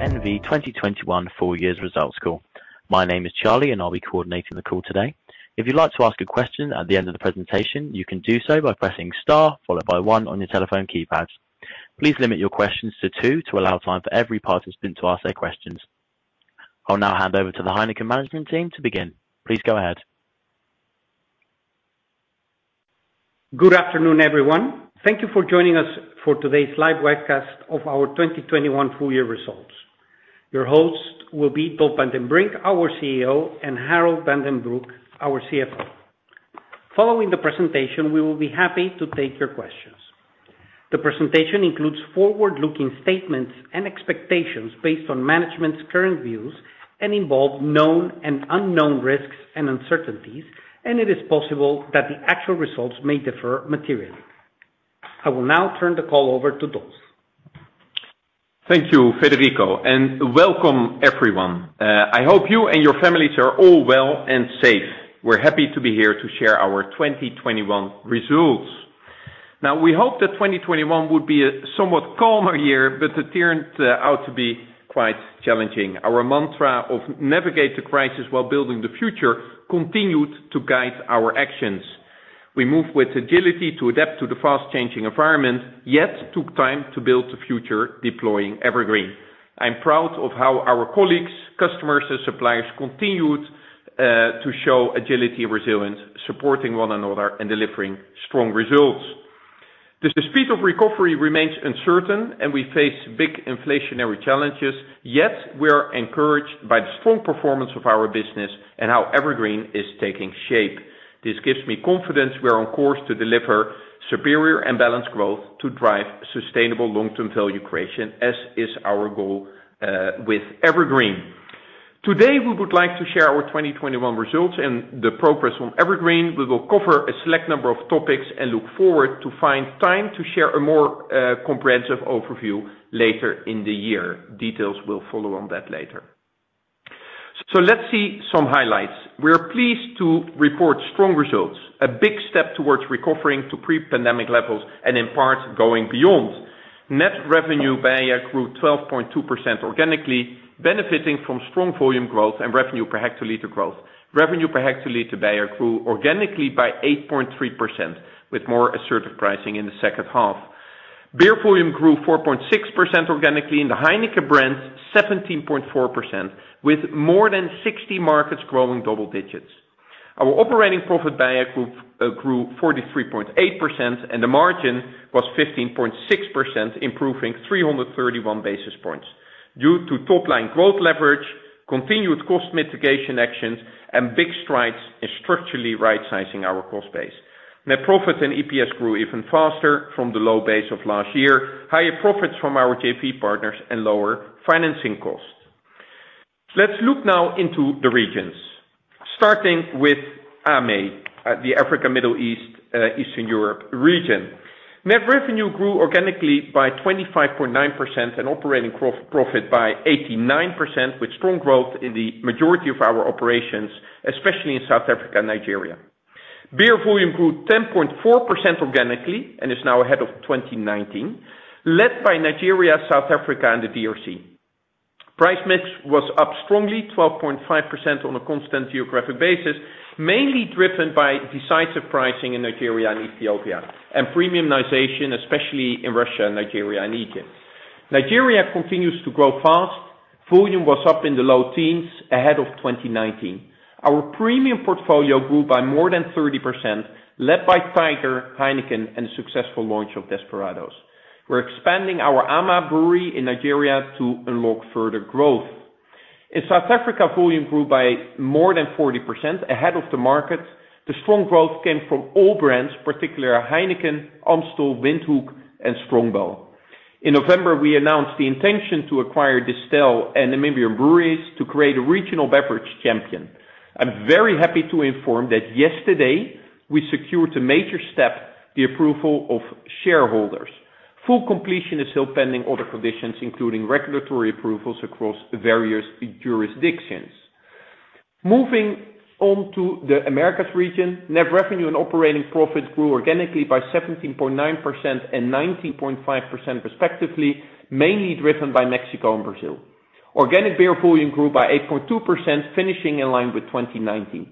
Heineken N.V. 2021 Full Year Results Call. My name is Charlie, and I'll be coordinating the call today. If you'd like to ask a question at the end of the presentation, you can do so by pressing Star followed by One on your telephone keypads. Please limit your questions to two to allow time for every participant to ask their questions. I'll now hand over to the Heineken management team to begin. Please go ahead. Good afternoon, everyone. Thank you for joining us for today's live webcast of our 2021 full year results. Your hosts will be Dolf van den Brink, our CEO, and Harold van den Broek, our CFO. Following the presentation, we will be happy to take your questions. The presentation includes forward-looking statements and expectations based on management's current views and involve known and unknown risks and uncertainties, and it is possible that the actual results may differ materially. I will now turn the call over to Dolf. Thank you, Federico, and welcome, everyone. I hope you and your families are all well and safe. We're happy to be here to share our 2021 results. Now, we hope that 2021 would be a somewhat calmer year, but it turned out to be quite challenging. Our mantra of navigate the crisis while building the future continued to guide our actions. We moved with agility to adapt to the fast-changing environment, yet took time to build the future deploying EverGreen. I'm proud of how our colleagues, customers, and suppliers continued to show agility and resilience, supporting one another and delivering strong results. The speed of recovery remains uncertain and we face big inflationary challenges, yet we are encouraged by the strong performance of our business and how EverGreen is taking shape. This gives me confidence we are on course to deliver superior and balanced growth to drive sustainable long-term value creation, as is our goal with EverGreen. Today, we would like to share our 2021 results and the progress from EverGreen. We will cover a select number of topics and look forward to find time to share a more comprehensive overview later in the year. Details will follow on that later. Let's see some highlights. We are pleased to report strong results, a big step towards recovering to pre-pandemic levels and in part, going beyond. Net revenue beia grew 12.2% organically, benefiting from strong volume growth and revenue per hectoliter growth. Revenue per hectoliter beia grew organically by 8.3% with more assertive pricing in the second half. Beer volume grew 4.6% organically, and the Heineken brand 17.4% with more than 60 markets growing double digits. Our operating profit beia grew 43.8%, and the margin was 15.6%, improving 331 basis points due to top line growth leverage, continued cost mitigation actions, and big strides in structurally rightsizing our cost base. Net profit and EPS grew even faster from the low base of last year, higher profits from our JV partners and lower financing costs. Let's look now into the regions. Starting with AME, the Africa, Middle East, Eastern Europe region. Net revenue grew organically by 25.9% and operating profit by 89%, with strong growth in the majority of our operations, especially in South Africa and Nigeria. Beer volume grew 10.4% organically and is now ahead of 2019, led by Nigeria, South Africa, and the DRC. Price mix was up strongly, 12.5% on a constant geographic basis, mainly driven by decisive pricing in Nigeria and Ethiopia, and premiumization, especially in Russia, Nigeria, and Egypt. Nigeria continues to grow fast. Volume was up in the low teens ahead of 2019. Our premium portfolio grew by more than 30%, led by Tiger, Heineken, and the successful launch of Desperados. We're expanding our Ama Brewery in Nigeria to unlock further growth. In South Africa, volume grew by more than 40% ahead of the market. The strong growth came from all brands, particularly Heineken, Amstel, Windhoek, and Strongbow. In November, we announced the intention to acquire Distell and Namibia Breweries to create a regional beverage champion. I'm very happy to inform that yesterday we secured a major step, the approval of shareholders. Full completion is still pending other conditions, including regulatory approvals across various jurisdictions. Moving on to the Americas region. Net revenue and operating profit grew organically by 17.9% and 19.5% respectively, mainly driven by Mexico and Brazil. Organic beer volume grew by 8.2%, finishing in line with 2019.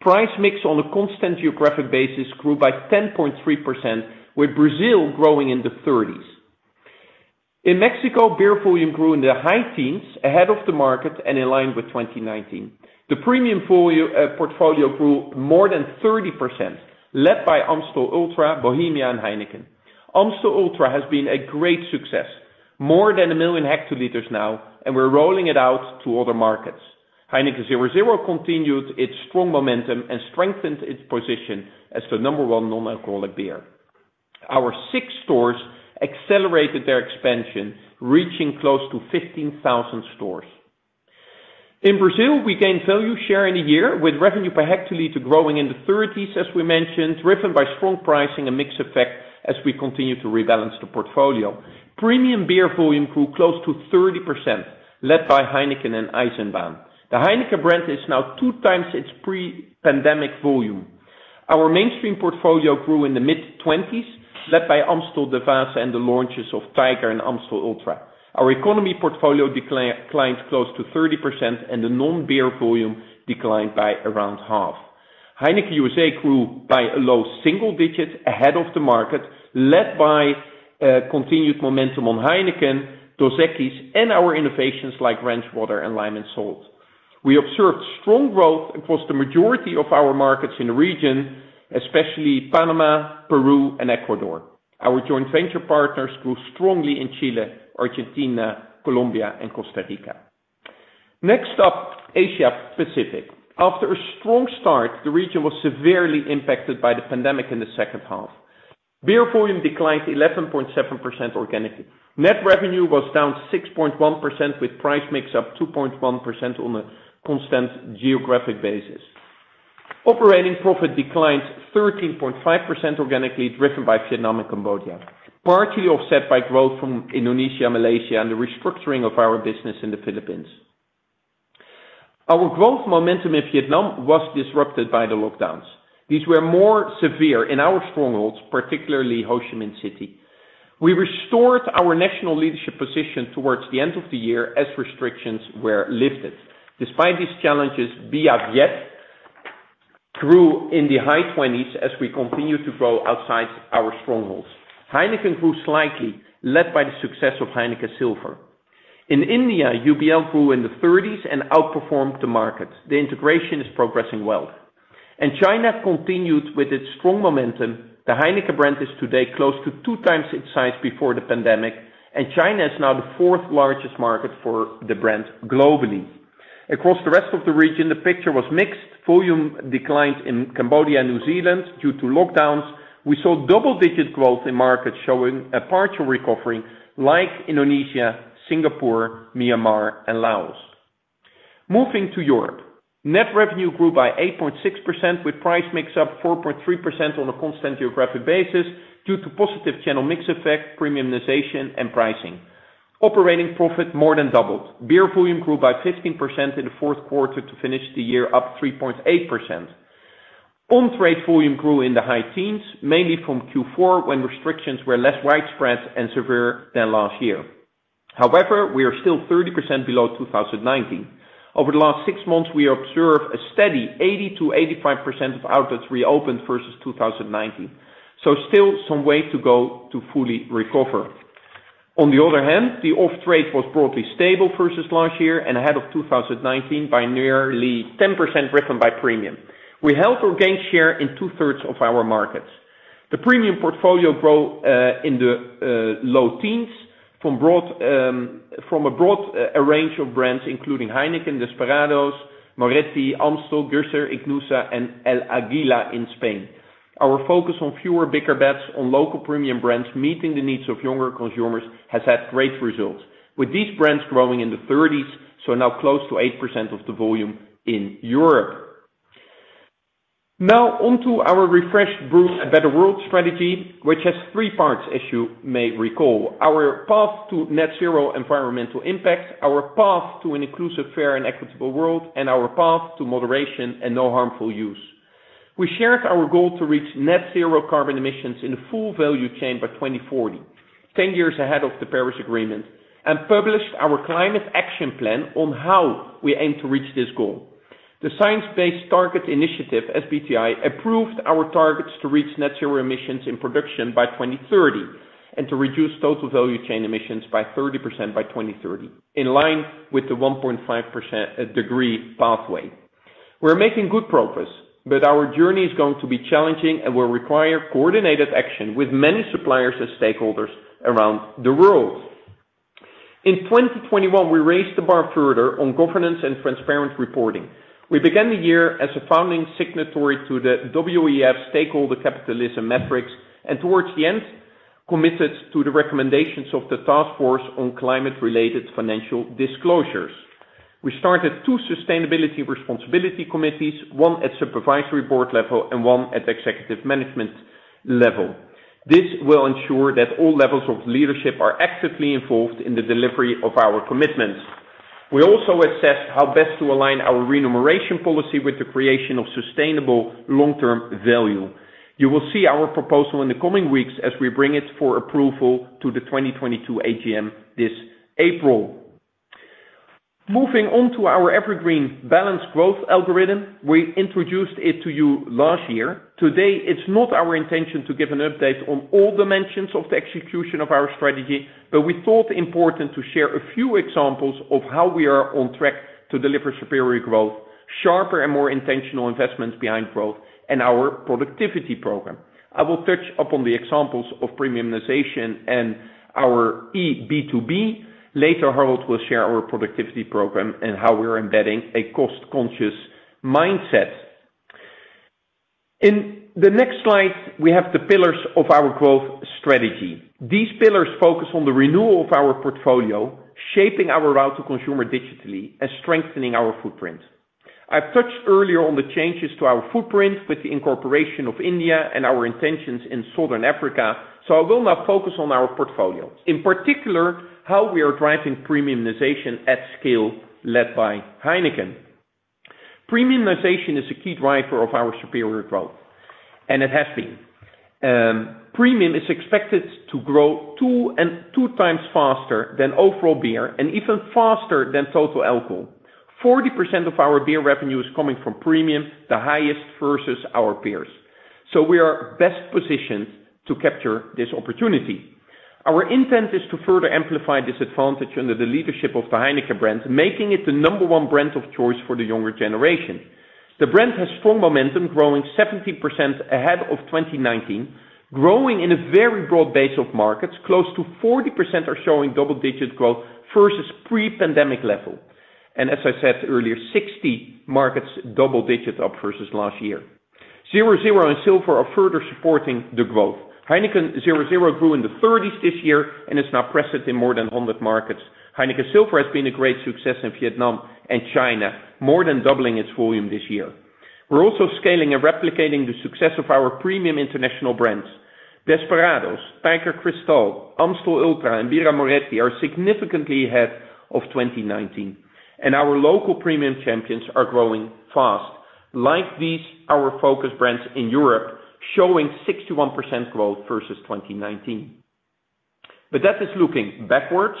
Price mix on a constant geographic basis grew by 10.3%, with Brazil growing in the 30s. In Mexico, beer volume grew in the high teens ahead of the market and in line with 2019. The premium portfolio grew more than 30%, led by Amstel Ultra, Bohemia, and Heineken. Amstel Ultra has been a great success. More than 1 million hectoliters now, and we're rolling it out to other markets. Heineken 0.0 continued its strong momentum and strengthened its position as the number one non-alcoholic beer. Our six stores accelerated their expansion, reaching close to 15,000 stores. In Brazil, we gained value share in the year with revenue per hectoliter growing in the 30s, as we mentioned, driven by strong pricing and mix effect as we continue to rebalance the portfolio. Premium beer volume grew close to 30%, led by Heineken and Eisenbahn. The Heineken brand is now 2x its pre-pandemic volume. Our mainstream portfolio grew in the mid-20s, led by Amstel, Devassa, and the launches of Tiger and Amstel Ultra. Our economy portfolio declined close to 30% and the non-beer volume declined by around half. Heineken USA grew by a low single digit ahead of the market, led by continued momentum on Heineken, Dos Equis, and our innovations like Ranch Water and Lime & Salt. We observed strong growth across the majority of our markets in the region, especially Panama, Peru, and Ecuador. Our joint venture partners grew strongly in Chile, Argentina, Colombia, and Costa Rica. Next up, Asia Pacific. After a strong start, the region was severely impacted by the pandemic in the second half. Beer volume declined 11.7% organically. Net revenue was down 6.1% with price mix up 2.1% on a constant geographic basis. Operating profit declined 13.5% organically driven by Vietnam and Cambodia, partly offset by growth from Indonesia, Malaysia, and the restructuring of our business in the Philippines. Our growth momentum in Vietnam was disrupted by the lockdowns. These were more severe in our strongholds, particularly Ho Chi Minh City. We restored our national leadership position towards the end of the year as restrictions were lifted. Despite these challenges, Bia Viet grew in the high 20s as we continue to grow outside our strongholds. Heineken grew slightly, led by the success of Heineken Silver. In India, UBL grew in the 30s and outperformed the market. The integration is progressing well. China continued with its strong momentum. The Heineken brand is today close to 2x its size before the pandemic, and China is now the fourth largest market for the brand globally. Across the rest of the region, the picture was mixed. Volume declined in Cambodia and New Zealand due to lockdowns. We saw double-digit growth in markets showing a partial recovery like Indonesia, Singapore, Myanmar, and Laos. Moving to Europe. Net revenue grew by 8.6% with price mix up 4.3% on a constant geographic basis due to positive channel mix effect, premiumization, and pricing. Operating profit more than doubled. Beer volume grew by 15% in the fourth quarter to finish the year up 3.8%. On-trade volume grew in the high teens, mainly from Q4 when restrictions were less widespread and severe than last year. However, we are still 30% below 2019. Over the last six months, we observe a steady 80%-85% of outlets reopened versus 2019. Still some way to go to fully recover. On the other hand, the off-trade was broadly stable versus last year and ahead of 2019 by nearly 10% driven by premium. We held or gained share in 2/3 of our markets. The premium portfolio grew in the low teens from a broad range of brands including Heineken, Desperados, Moretti, Amstel, Gösser and El Águila in Spain. Our focus on fewer bigger bets on local premium brands meeting the needs of younger consumers has had great results. With these brands growing in the thirties, so now close to 8% of the volume in Europe. Now on to our refreshed Brew a Better World strategy, which has three parts as you may recall. Our path to Net-zero environmental impact, our path to an inclusive, fair, and equitable world, and our path to moderation and no harmful use. We shared our goal to reach Net-zero carbon emissions in the full value chain by 2040, 10 years ahead of the Paris Agreement, and published our climate action plan on how we aim to reach this goal. The Science Based Targets initiative, SBTI, approved our targets to reach Net-zero emissions in production by 2030 and to reduce total value chain emissions by 30% by 2030, in line with the 1.5 degree pathway. We're making good progress, but our journey is going to be challenging and will require coordinated action with many suppliers and stakeholders around the world. In 2021, we raised the bar further on governance and transparent reporting. We began the year as a founding signatory to the WEF Stakeholder Capitalism Metrics, and towards the end, committed to the recommendations of the task force on climate-related financial disclosures. We started two sustainability and responsibility committees, one at supervisory board level and one at executive management level. This will ensure that all levels of leadership are actively involved in the delivery of our commitments. We also assessed how best to align our remuneration policy with the creation of sustainable long-term value. You will see our proposal in the coming weeks as we bring it for approval to the 2022 AGM this April. Moving on to our EverGreen Balanced Growth algorithm. We introduced it to you last year. Today, it's not our intention to give an update on all dimensions of the execution of our strategy, but we thought it important to share a few examples of how we are on track to deliver superior growth, sharper and more intentional investments behind growth, and our productivity program. I will touch upon the examples of premiumization and our eB2B. Later, Harold will share our productivity program and how we're embedding a cost-conscious mindset. In the next slide, we have the pillars of our growth strategy. These pillars focus on the renewal of our portfolio, shaping our route to consumer digitally, and strengthening our footprint. I've touched earlier on the changes to our footprint with the incorporation of India and our intentions in Southern Africa, so I will now focus on our portfolio. In particular, how we are driving premiumization at scale led by Heineken. Premiumization is a key driver of our superior growth, and it has been. Premium is expected to grow 2x faster than overall beer and even faster than total alcohol. 40% of our beer revenue is coming from premium, the highest versus our peers. We are best positioned to capture this opportunity. Our intent is to further amplify this advantage under the leadership of the Heineken brands, making it the number one brand of choice for the younger generation. The brand has strong momentum, growing 17% ahead of 2019, growing in a very broad base of markets. Close to 40% are showing double-digit growth versus pre-pandemic level. As I said earlier, 60 markets double digits up versus last year. Zero Zero and Silver are further supporting the growth. Heineken Zero Zero grew in the 30s this year and is now present in more than 100 markets. Heineken Silver has been a great success in Vietnam and China, more than doubling its volume this year. We're also scaling and replicating the success of our premium international brands. Desperados, Tiger Crystal, Amstel Ultra, and Birra Moretti are significantly ahead of 2019. Our local premium champions are growing fast. Like these, our focus brands in Europe showing 61% growth versus 2019. That is looking backwards,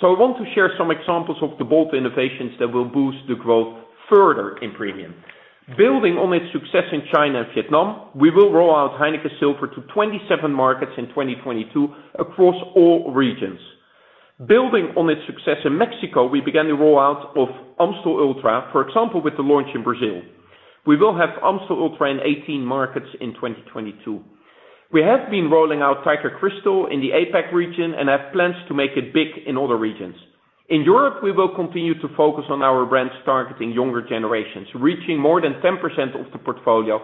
so I want to share some examples of the bold innovations that will boost the growth further in premium. Building on its success in China and Vietnam, we will roll out Heineken Silver to 27 markets in 2022 across all regions. Building on its success in Mexico, we began the rollout of Amstel Ultra, for example, with the launch in Brazil. We will have Amstel Ultra in 18 markets in 2022. We have been rolling out Tiger Crystal in the APAC region and have plans to make it big in other regions. In Europe, we will continue to focus on our brands targeting younger generations, reaching more than 10% of the portfolio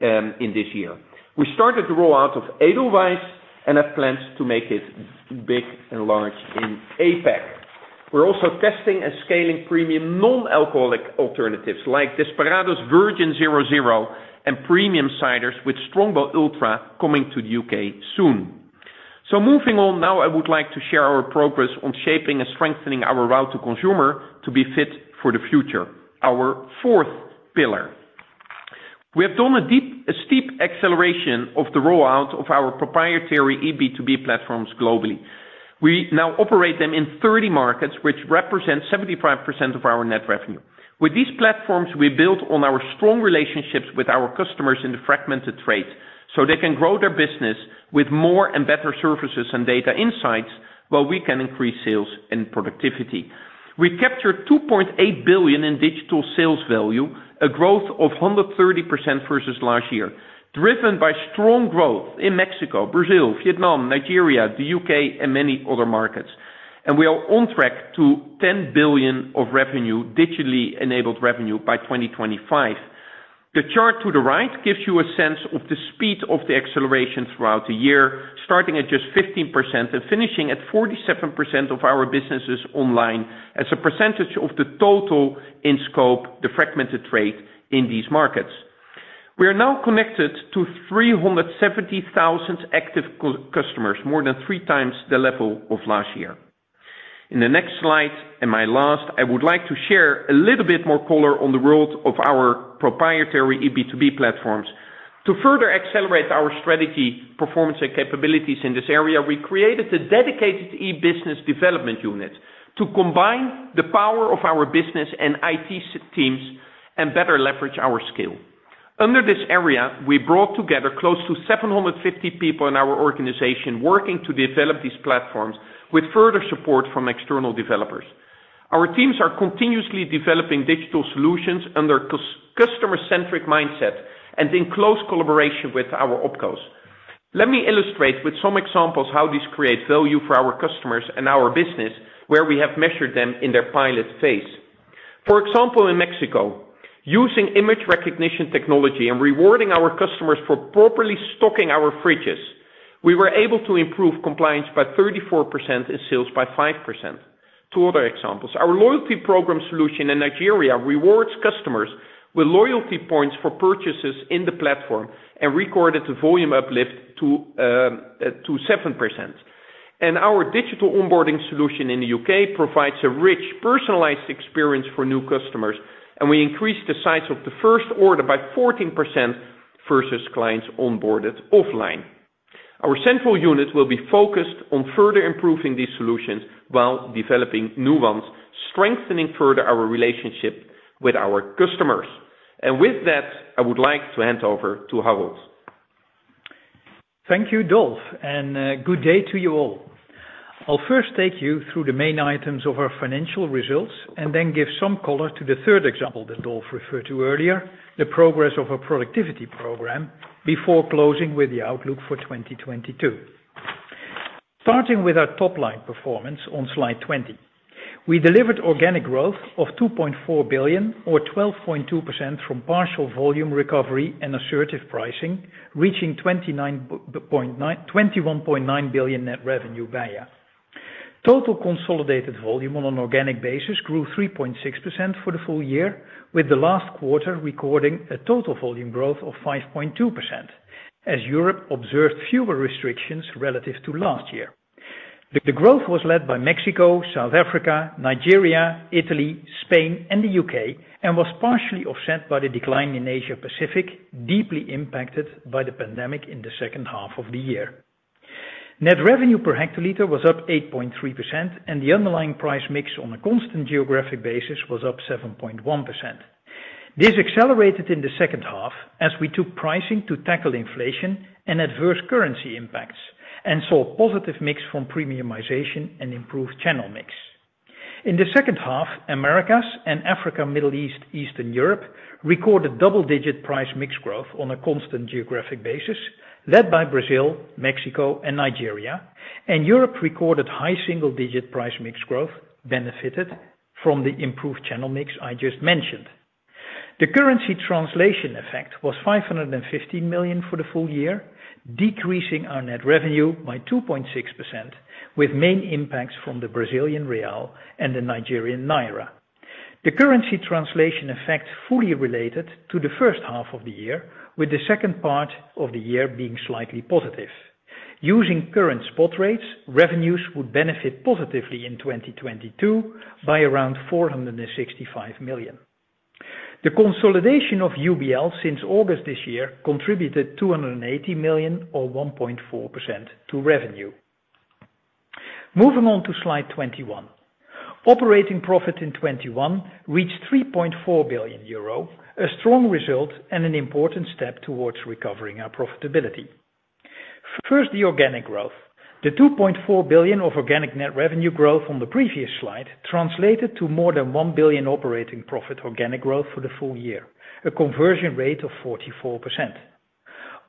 in this year. We started the rollout of Edelweiss and have plans to make it big and large in APAC. We're also testing and scaling premium non-alcoholic alternatives like Desperados Virgin 0.0 and premium ciders with Strongbow Ultra coming to the U.K. soon. Moving on now, I would like to share our progress on shaping and strengthening our route to consumer to be fit for the future, our fourth pillar. We have done a steep acceleration of the rollout of our proprietary B2B platforms globally. We now operate them in 30 markets, which represent 75% of our net revenue. With these platforms, we build on our strong relationships with our customers in the fragmented trades, so they can grow their business with more and better services and data insights, while we can increase sales and productivity. We captured 2.8 billion in digital sales value, a growth of 130% versus last year, driven by strong growth in Mexico, Brazil, Vietnam, Nigeria, the U.K., and many other markets. We are on track to 10 billion of revenue, digitally enabled revenue by 2025. The chart to the right gives you a sense of the speed of the acceleration throughout the year, starting at just 15% and finishing at 47% of our businesses online as a percentage of the total in scope, the fragmented trade in these markets. We are now connected to 370,000 active customers, more than 3x the level of last year. In the next slide, and my last, I would like to share a little bit more color on the world of our proprietary B2B platforms. To further accelerate our strategy, performance, and capabilities in this area, we created a dedicated e-business development unit to combine the power of our business and IT teams and better leverage our skills. Under this area, we brought together close to 750 people in our organization working to develop these platforms with further support from external developers. Our teams are continuously developing digital solutions under customer-centric mindsets and in close collaboration with our opcos. Let me illustrate with some examples how these create value for our customers and our business where we have measured them in their pilot phase. For example, in Mexico, using image recognition technology and rewarding our customers for properly stocking our fridges, we were able to improve compliance by 34% and sales by 5%. Two other examples. Our loyalty program solution in Nigeria rewards customers with loyalty points for purchases in the platform and recorded the volume uplift to 7%. Our digital onboarding solution in the U.K. provides a rich, personalized experience for new customers, and we increased the size of the first order by 14% versus clients onboarded offline. Our central unit will be focused on further improving these solutions while developing new ones, strengthening further our relationship with our customers. With that, I would like to hand over to Harold. Thank you, Dolf, and good day to you all. I'll first take you through the main items of our financial results and then give some color to the third example that Dolf referred to earlier, the progress of our productivity program before closing with the outlook for 2022. Starting with our top-line performance on slide 20. We delivered organic growth of 2.4 billion or 12.2% from partial volume recovery and assertive pricing, reaching €21.9 billion net revenue. Total consolidated volume on an organic basis grew 3.6% for the full year, with the last quarter recording a total volume growth of 5.2% as Europe observed fewer restrictions relative to last year. The growth was led by Mexico, South Africa, Nigeria, Italy, Spain, and the U.K., and was partially offset by the decline in Asia-Pacific, deeply impacted by the pandemic in the second half of the year. Net revenue per hectoliter was up 8.3%, and the underlying price mix on a constant geographic basis was up 7.1%. This accelerated in the second half as we took pricing to tackle inflation and adverse currency impacts and saw a positive mix from premiumization and improved channel mix. In the second half, Americas and Africa, Middle East, Eastern Europe recorded double-digit price mix growth on a constant geographic basis, led by Brazil, Mexico and Nigeria, and Europe recorded high single-digit price mix growth, benefited from the improved channel mix I just mentioned. The currency translation effect was 550 million for the full year, decreasing our net revenue by 2.6%, with main impacts from the Brazilian real and the Nigerian naira. The currency translation effect fully related to the first half of the year, with the second part of the year being slightly positive. Using current spot rates, revenues would benefit positively in 2022 by around 465 million. The consolidation of UBL since August this year contributed 280 million or 1.4% to revenue. Moving on to slide 21. Operating profit in 2021 reached 3.4 billion euro, a strong result and an important step towards recovering our profitability. First, the organic growth. The 2.4 billion of organic net revenue growth on the previous slide translated to more than 1 billion operating profit organic growth for the full year, a conversion rate of 44%.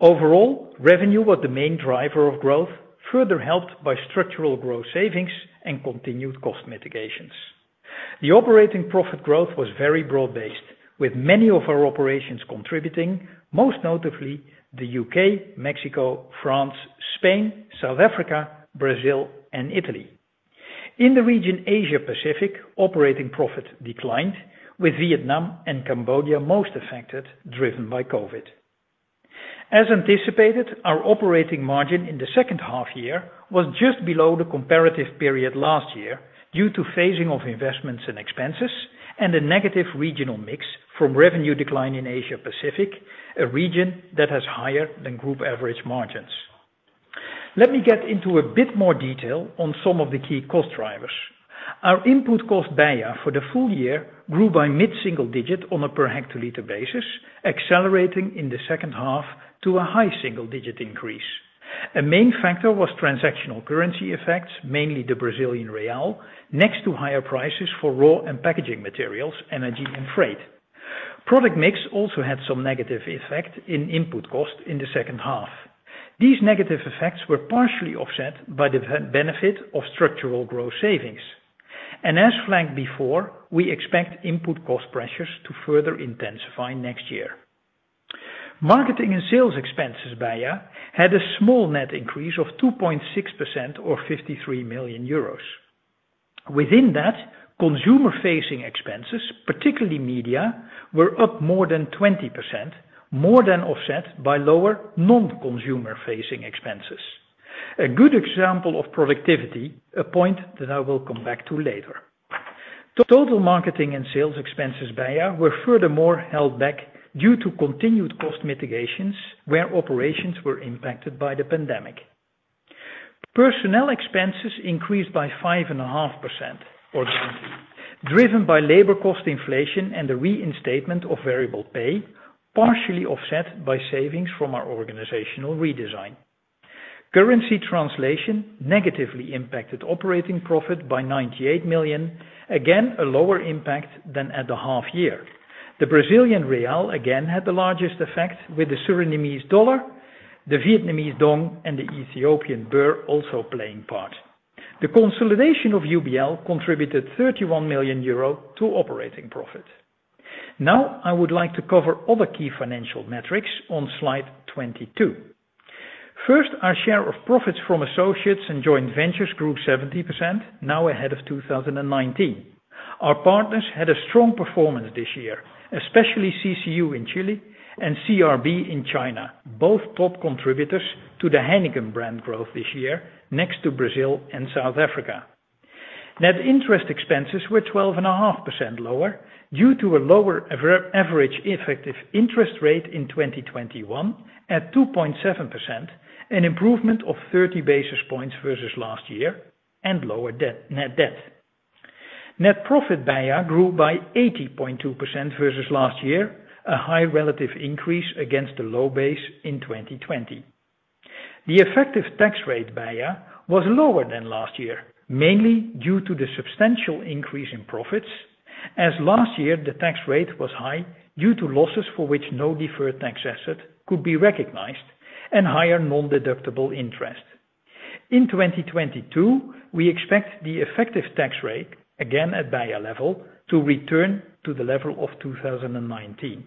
Overall, revenue was the main driver of growth, further helped by structural growth savings and continued cost mitigations. The operating profit growth was very broad-based, with many of our operations contributing, most notably the U.K., Mexico, France, Spain, South Africa, Brazil and Italy. In the region Asia-Pacific, operating profit declined, with Vietnam and Cambodia most affected, driven by COVID-19. As anticipated, our operating margin in the second half year was just below the comparative period last year due to phasing of investments and expenses and a negative regional mix from revenue decline in Asia-Pacific, a region that has higher than group average margins. Let me get into a bit more detail on some of the key cost drivers. Our input cost beia for the full year grew by mid-single-digit on a per hectoliter basis, accelerating in the second half to a high single-digit increase. A main factor was transactional currency effects, mainly the Brazilian real, next to higher prices for raw and packaging materials, energy and freight. Product mix also had some negative effect in input cost in the second half. These negative effects were partially offset by the benefit of structural growth savings. As flagged before, we expect input cost pressures to further intensify next year. Marketing and sales expenses, beia, had a small net increase of 2.6% or 53 million euros. Within that, consumer-facing expenses, particularly media, were up more than 20%, more than offset by lower non-consumer facing expenses. A good example of productivity, a point that I will come back to later. Total marketing and sales expenses, beia, were furthermore held back due to continued cost mitigations where operations were impacted by the pandemic. Personnel expenses increased by 5.5%, driven by labor cost inflation and the reinstatement of variable pay, partially offset by savings from our organizational redesign. Currency translation negatively impacted operating profit by 98 million, again, a lower impact than at the half year. The Brazilian real again had the largest effect, with the Surinamese dollar, the Vietnamese đồng, and the Ethiopian birr also playing part. The consolidation of UBL contributed 31 million euro to operating profit. Now, I would like to cover other key financial metrics on slide 22. First, our share of profits from associates and joint ventures grew 70%, now ahead of 2019. Our partners had a strong performance this year, especially CCU in Chile and CRB in China, both top contributors to the Heineken brand growth this year next to Brazil and South Africa. Net interest expenses were 12.5% lower due to a lower average effective interest rate in 2021 at 2.7%, an improvement of 30 basis points versus last year and lower debt, net debt. Net profit beia grew by 80.2% versus last year, a high relative increase against a low base in 2020. The effective tax rate, beia, was lower than last year, mainly due to the substantial increase in profits, as last year the tax rate was high due to losses for which no deferred tax asset could be recognized and higher non-deductible interest. In 2022, we expect the effective tax rate, again at beia level, to return to the level of 2019.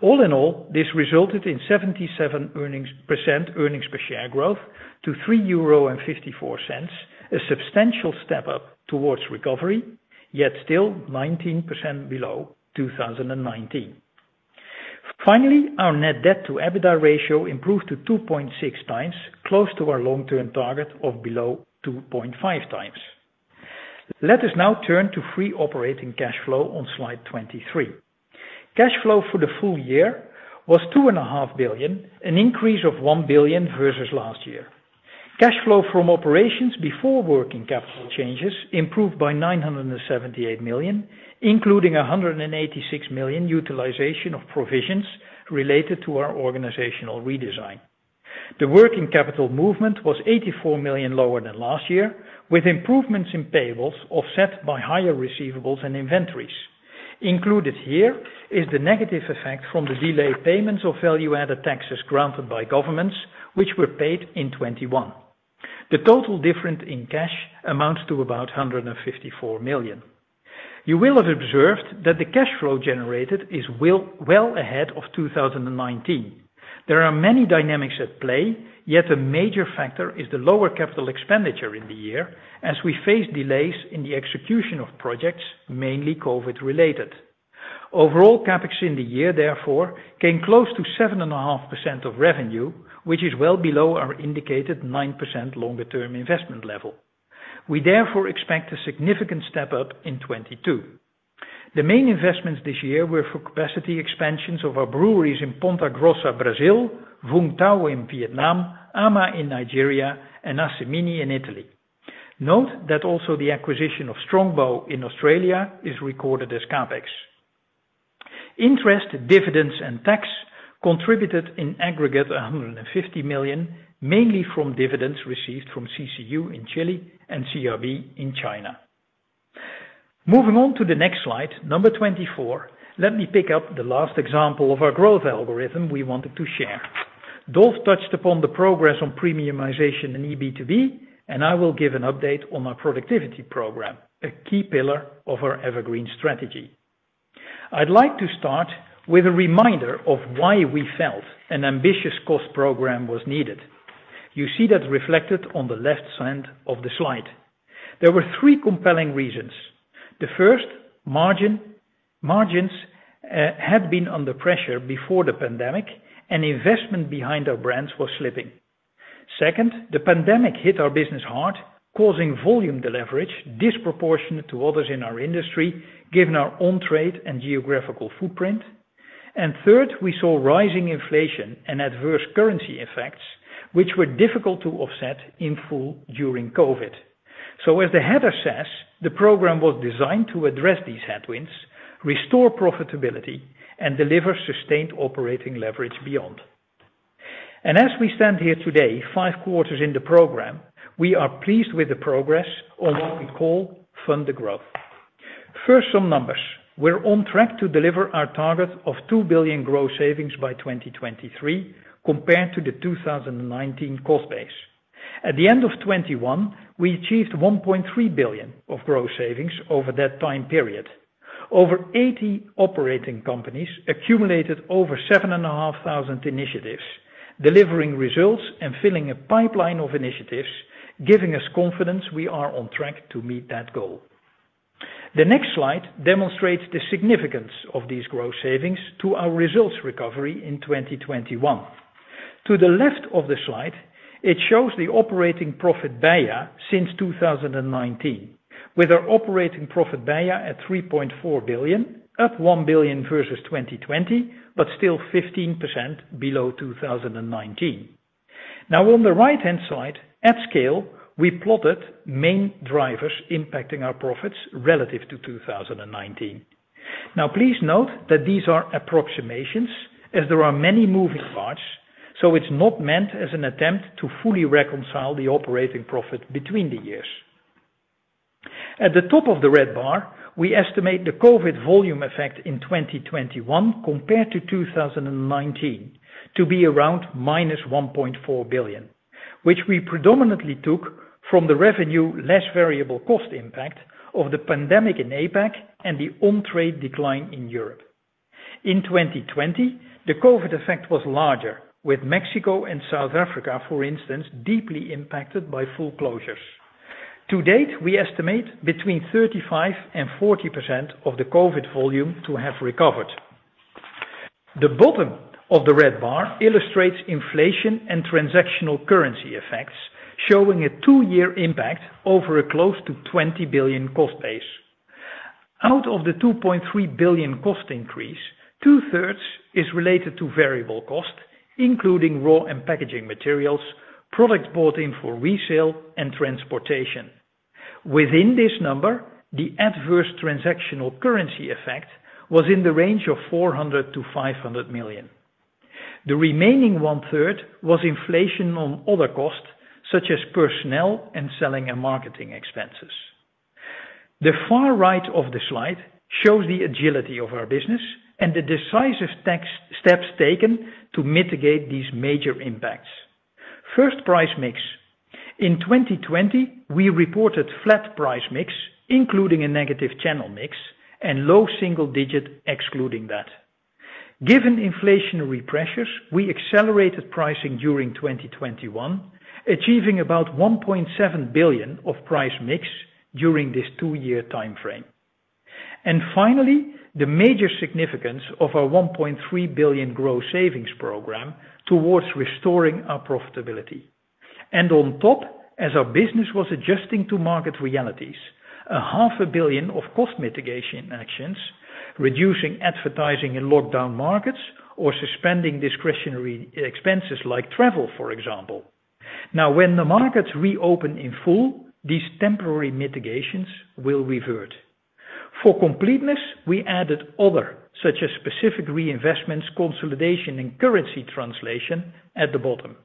All in all, this resulted in 77% earnings per share growth to 3.54 euro, a substantial step-up towards recovery, yet still 19% below 2019. Our net debt to EBITDA ratio improved to 2.6x, close to our long-term target of below 2.5x. Let us now turn to free operating cash flow on slide 23. Cash flow for the full year was 2.5 billion, an increase of 1 billion versus last year. Cash flow from operations before working capital changes improved by 978 million, including 186 million utilization of provisions related to our organizational redesign. The working capital movement was 84 million lower than last year, with improvements in payables offset by higher receivables and inventories. Included here is the negative effect from the delayed payments of value-added taxes granted by governments which were paid in 2021. The total difference in cash amounts to about 154 million. You will have observed that the cash flow generated is well ahead of 2019. There are many dynamics at play, yet a major factor is the lower capital expenditure in the year as we face delays in the execution of projects, mainly COVID related. Overall, CapEx in the year therefore came close to 7.5% of revenue, which is well below our indicated 9% longer term investment level. We therefore expect a significant step up in 2022. The main investments this year were for capacity expansions of our breweries in Ponta Grossa, Brazil, Vung Tau in Vietnam, Ama in Nigeria, and Assemini in Italy. Note that also the acquisition of Strongbow in Australia is recorded as CapEx. Interest, dividends, and tax contributed in aggregate 150 million, mainly from dividends received from CCU in Chile and CRB in China. Moving on to the next slide, number 24. Let me pick up the last example of our growth algorithm we wanted to share. Dolf touched upon the progress on premiumization in eB2B, and I will give an update on our productivity program, a key pillar of our EverGreen strategy. I'd like to start with a reminder of why we felt an ambitious cost program was needed. You see that reflected on the left side of the slide. There were three compelling reasons. The first, margins, had been under pressure before the pandemic and investment behind our brands was slipping. Second, the pandemic hit our business hard, causing volume deleverage disproportionate to others in our industry, given our on-trade and geographical footprint. Third, we saw rising inflation and adverse currency effects, which were difficult to offset in full during COVID. As the header says, the program was designed to address these headwinds, restore profitability, and deliver sustained operating leverage beyond. As we stand here today, five quarters in the program, we are pleased with the progress on what we call Fund the Growth. First, some numbers. We're on track to deliver our target of 2 billion gross savings by 2023 compared to the 2019 cost base. At the end of 2021, we achieved 1.3 billion of gross savings over that time period. Over 80 operating companies accumulated over 7,500 initiatives, delivering results and filling a pipeline of initiatives, giving us confidence we are on track to meet that goal. The next slide demonstrates the significance of these growth savings to our results recovery in 2021. To the left of the slide, it shows the operating profit BEIA since 2019, with our operating profit BEIA at 3.4 billion, up 1 billion versus 2020, but still 15% below 2019. Now on the right-hand side, at scale, we plotted main drivers impacting our profits relative to 2019. Now please note that these are approximations as there are many moving parts, so it's not meant as an attempt to fully reconcile the operating profit between the years. At the top of the red bar, we estimate the COVID-19 volume effect in 2021 compared to 2019 to be around -1.4 billion, which we predominantly took from the revenue less variable cost impact of the pandemic in APAC and the on-trade decline in Europe. In 2020, the COVID-19 effect was larger, with Mexico and South Africa, for instance, deeply impacted by full closures. To date, we estimate between 35% and 40% of the COVID-19 volume to have recovered. The bottom of the red bar illustrates inflation and transactional currency effects, showing a two-year impact over a close to 20 billion cost base. Out of the 2.3 billion cost increase, 2/3 is related to variable cost, including raw and packaging materials, products bought in for resale and transportation. Within this number, the adverse transactional currency effect was in the range of 400 million-500 million. The remaining 1/3 was inflation on other costs such as personnel and selling and marketing expenses. The far right of the slide shows the agility of our business and the decisive tactical steps taken to mitigate these major impacts. First, price mix. In 2020, we reported flat price mix, including a negative channel mix and low single-digit excluding that. Given inflationary pressures, we accelerated pricing during 2021, achieving about 1.7 billion of price mix during this two-year timeframe. Finally, the major significance of our 1.3 billion growth savings program towards restoring our profitability. On top, as our business was adjusting to market realities, 0.5 Billion of cost mitigation actions, reducing advertising in lockdown markets, or suspending discretionary expenses like travel, for example. Now, when the markets reopen in full, these temporary mitigations will revert. For completeness, we added other, such as specific reinvestments, consolidation, and currency translation at the bottom.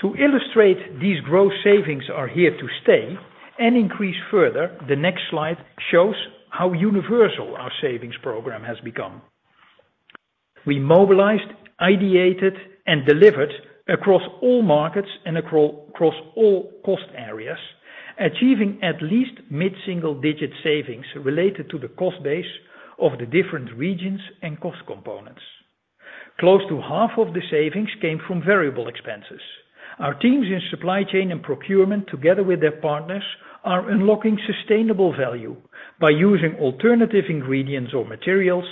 To illustrate these growth savings are here to stay and increase further, the next slide shows how universal our savings program has become. We mobilized, ideated, and delivered across all markets and across all cost areas, achieving at least mid-single digit savings related to the cost base of the different regions and cost components. Close to half of the savings came from variable expenses. Our teams in supply chain and procurement, together with their partners, are unlocking sustainable value by using alternative ingredients or materials,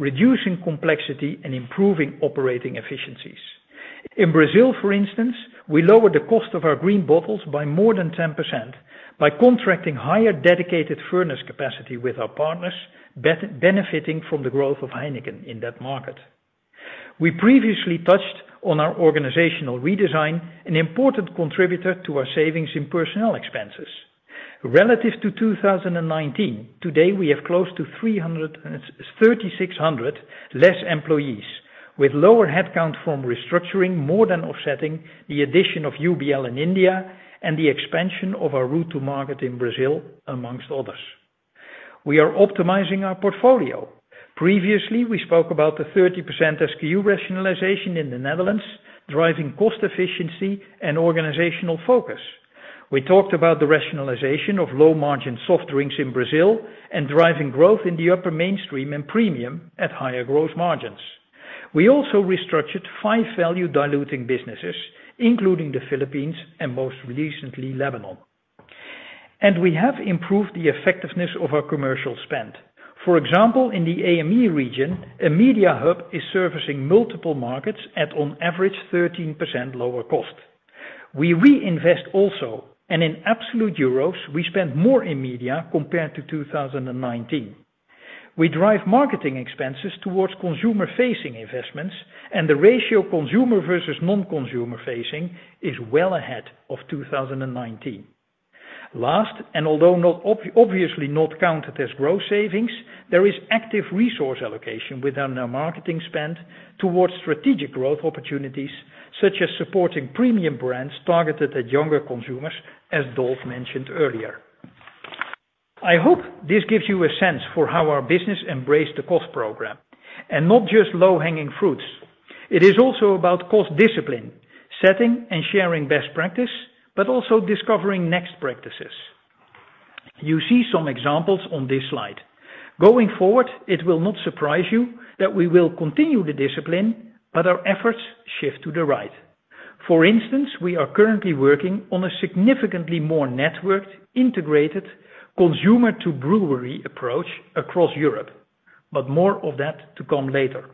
reducing complexity and improving operating efficiencies. In Brazil, for instance, we lowered the cost of our green bottles by more than 10% by contracting higher dedicated furnace capacity with our partners, benefiting from the growth of Heineken in that market. We previously touched on our organizational redesign, an important contributor to our savings in personnel expenses. Relative to 2019, today we have close to 33,600 less employees with lower headcount from restructuring, more than offsetting the addition of UBL in India and the expansion of our route to market in Brazil, among others. We are optimizing our portfolio. Previously, we spoke about the 30% SKU rationalization in the Netherlands, driving cost efficiency and organizational focus. We talked about the rationalization of low-margin soft drinks in Brazil and driving growth in the upper mainstream and premium at higher growth margins. We also restructured five value diluting businesses, including the Philippines and most recently, Lebanon. We have improved the effectiveness of our commercial spend. For example, in the AME region, a media hub is servicing multiple markets at on average 13% lower cost. We reinvest also, and in absolute euros, we spend more in media compared to 2019. We drive marketing expenses towards consumer-facing investments, and the ratio consumer versus non-consumer facing is well ahead of 2019. Last, although not obviously not counted as growth savings, there is active resource allocation within our marketing spend towards strategic growth opportunities, such as supporting premium brands targeted at younger consumers, as Dolf mentioned earlier. I hope this gives you a sense for how our business embraced the cost program, and not just low-hanging fruits. It is also about cost discipline, setting and sharing best practice, but also discovering next practices. You see some examples on this slide. Going forward, it will not surprise you that we will continue the discipline, but our efforts shift to the right. For instance, we are currently working on a significantly more networked, integrated consumer-to-brewery approach across Europe, but more of that to come later.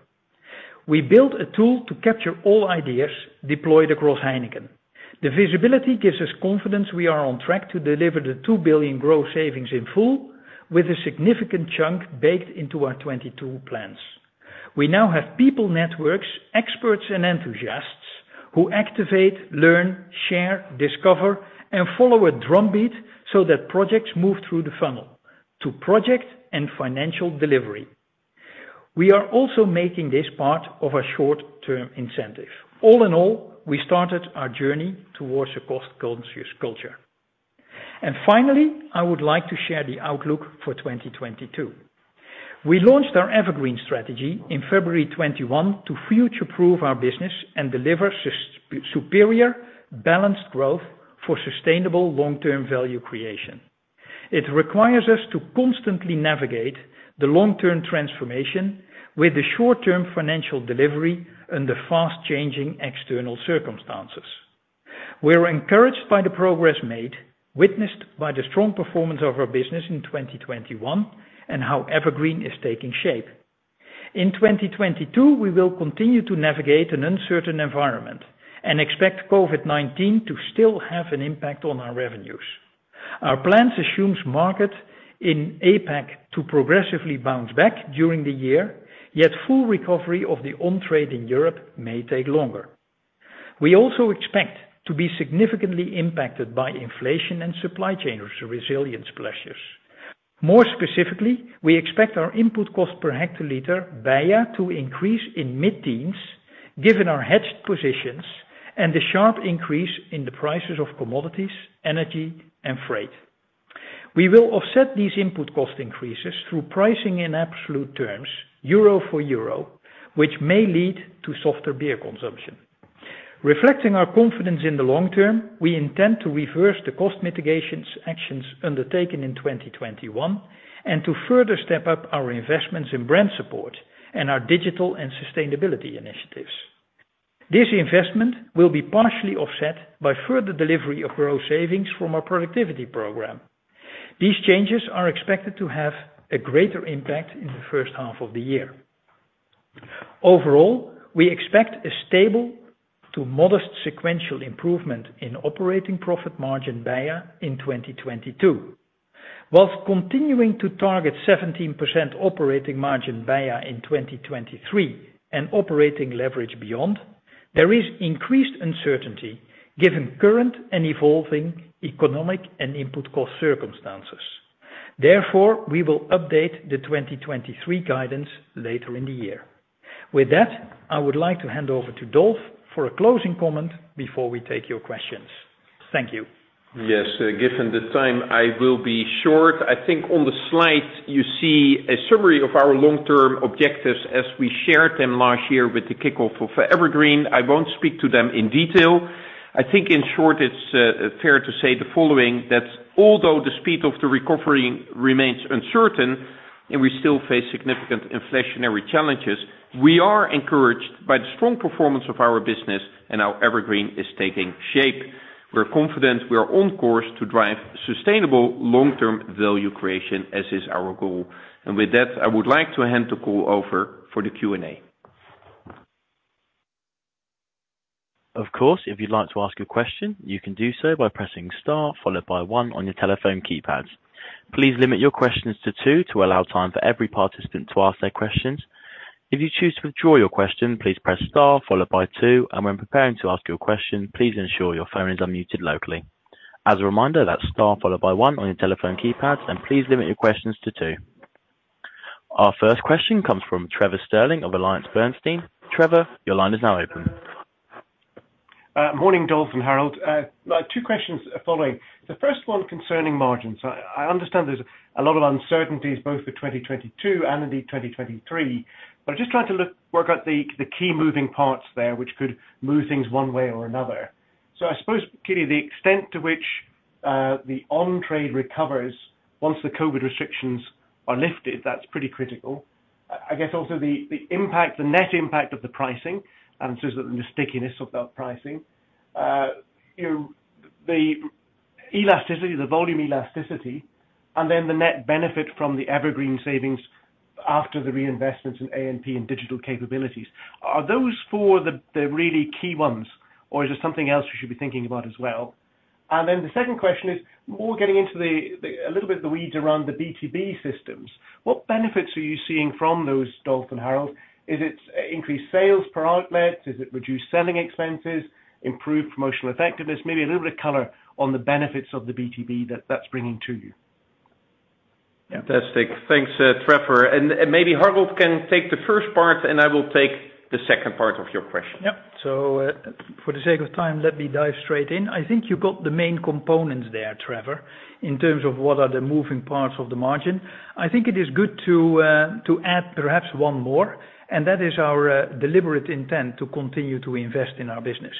We built a tool to capture all ideas deployed across Heineken. The visibility gives us confidence we are on track to deliver the 2 billion growth savings in full with a significant chunk baked into our 2022 plans. We now have people networks, experts and enthusiasts who activate, learn, share, discover, and follow a drumbeat so that projects move through the funnel to project and financial delivery. We are also making this part of a short-term incentive. All in all, we started our journey towards a cost-conscious culture. Finally, I would like to share the outlook for 2022. We launched our EverGreen strategy in February 2021 to future-proof our business and deliver superior, balanced growth for sustainable long-term value creation. It requires us to constantly navigate the long-term transformation with the short-term financial delivery and the fast-changing external circumstances. We're encouraged by the progress made, witnessed by the strong performance of our business in 2021 and how EverGreen is taking shape. In 2022, we will continue to navigate an uncertain environment and expect COVID-19 to still have an impact on our revenues. Our plans assumes market in APAC to progressively bounce back during the year, yet full recovery of the on-trade in Europe may take longer. We also expect to be significantly impacted by inflation and supply chain resilience pressures. More specifically, we expect our input cost per hectoliter, BEIA, to increase in mid-teens% given our hedged positions and the sharp increase in the prices of commodities, energy, and freight. We will offset these input cost increases through pricing in absolute terms, euro for euro, which may lead to softer beer consumption. Reflecting our confidence in the long term, we intend to reverse the cost mitigation actions undertaken in 2021 and to further step up our investments in brand support and our digital and sustainability initiatives. This investment will be partially offset by further delivery of growth savings from our productivity program. These changes are expected to have a greater impact in the first half of the year. Overall, we expect a stable to modest sequential improvement in operating profit margin, BEIA, in 2022. While continuing to target 17% operating margin BEIA in 2023 and operating leverage beyond, there is increased uncertainty given current and evolving economic and input cost circumstances. Therefore, we will update the 2023 guidance later in the year. With that, I would like to hand over to Dolf for a closing comment before we take your questions. Thank you. Yes. Given the time, I will be short. I think on the slide you see a summary of our long-term objectives as we shared them last year with the kickoff of EverGreen. I won't speak to them in detail. I think in short, it's fair to say the following, that although the speed of the recovery remains uncertain and we still face significant inflationary challenges, we are encouraged by the strong performance of our business and how EverGreen is taking shape. We're confident we are on course to drive sustainable long-term value creation, as is our goal. With that, I would like to hand the call over for the Q&A. Of course, if you'd like to ask a question, you can do so by pressing Star followed by one on your telephone keypads. Please limit your questions to two to allow time for every participant to ask their questions. If you choose to withdraw your question, please press Star followed by two, and when preparing to ask your question, please ensure your phone is unmuted locally. As a reminder, that's Star followed by one on your telephone keypad, and please limit your questions to two. Our first question comes from Trevor Stirling of AllianceBernstein. Trevor, your line is now open. Morning, Dolf and Harold. Two questions following. The first one concerning margins. I understand there's a lot of uncertainties both for 2022 and indeed 2023, but I'm just trying to look to work out the key moving parts there which could move things one way or another. I suppose, clearly the extent to which the on-trade recovers once the COVID restrictions are lifted, that's pretty critical. I guess also the impact, the net impact of the pricing, and so the stickiness of that pricing. You know, the elasticity, the volume elasticity, and then the net benefit from the EverGreen savings after the reinvestments in A&P and digital capabilities. Are those four the really key ones, or is there something else you should be thinking about as well? The second question is more getting into a little bit of the weeds around the B2B systems. What benefits are you seeing from those, Dolf and Harold? Is it increased sales per outlet? Is it reduced selling expenses, improved promotional effectiveness? Maybe a little bit of color on the benefits of the B2B that's bringing to you. Fantastic. Thanks, Trevor. Maybe Harold can take the first part, and I will take the second part of your question. For the sake of time, let me dive straight in. I think you got the main components there, Trevor, in terms of what are the moving parts of the margin. I think it is good to add perhaps one more, and that is our deliberate intent to continue to invest in our business.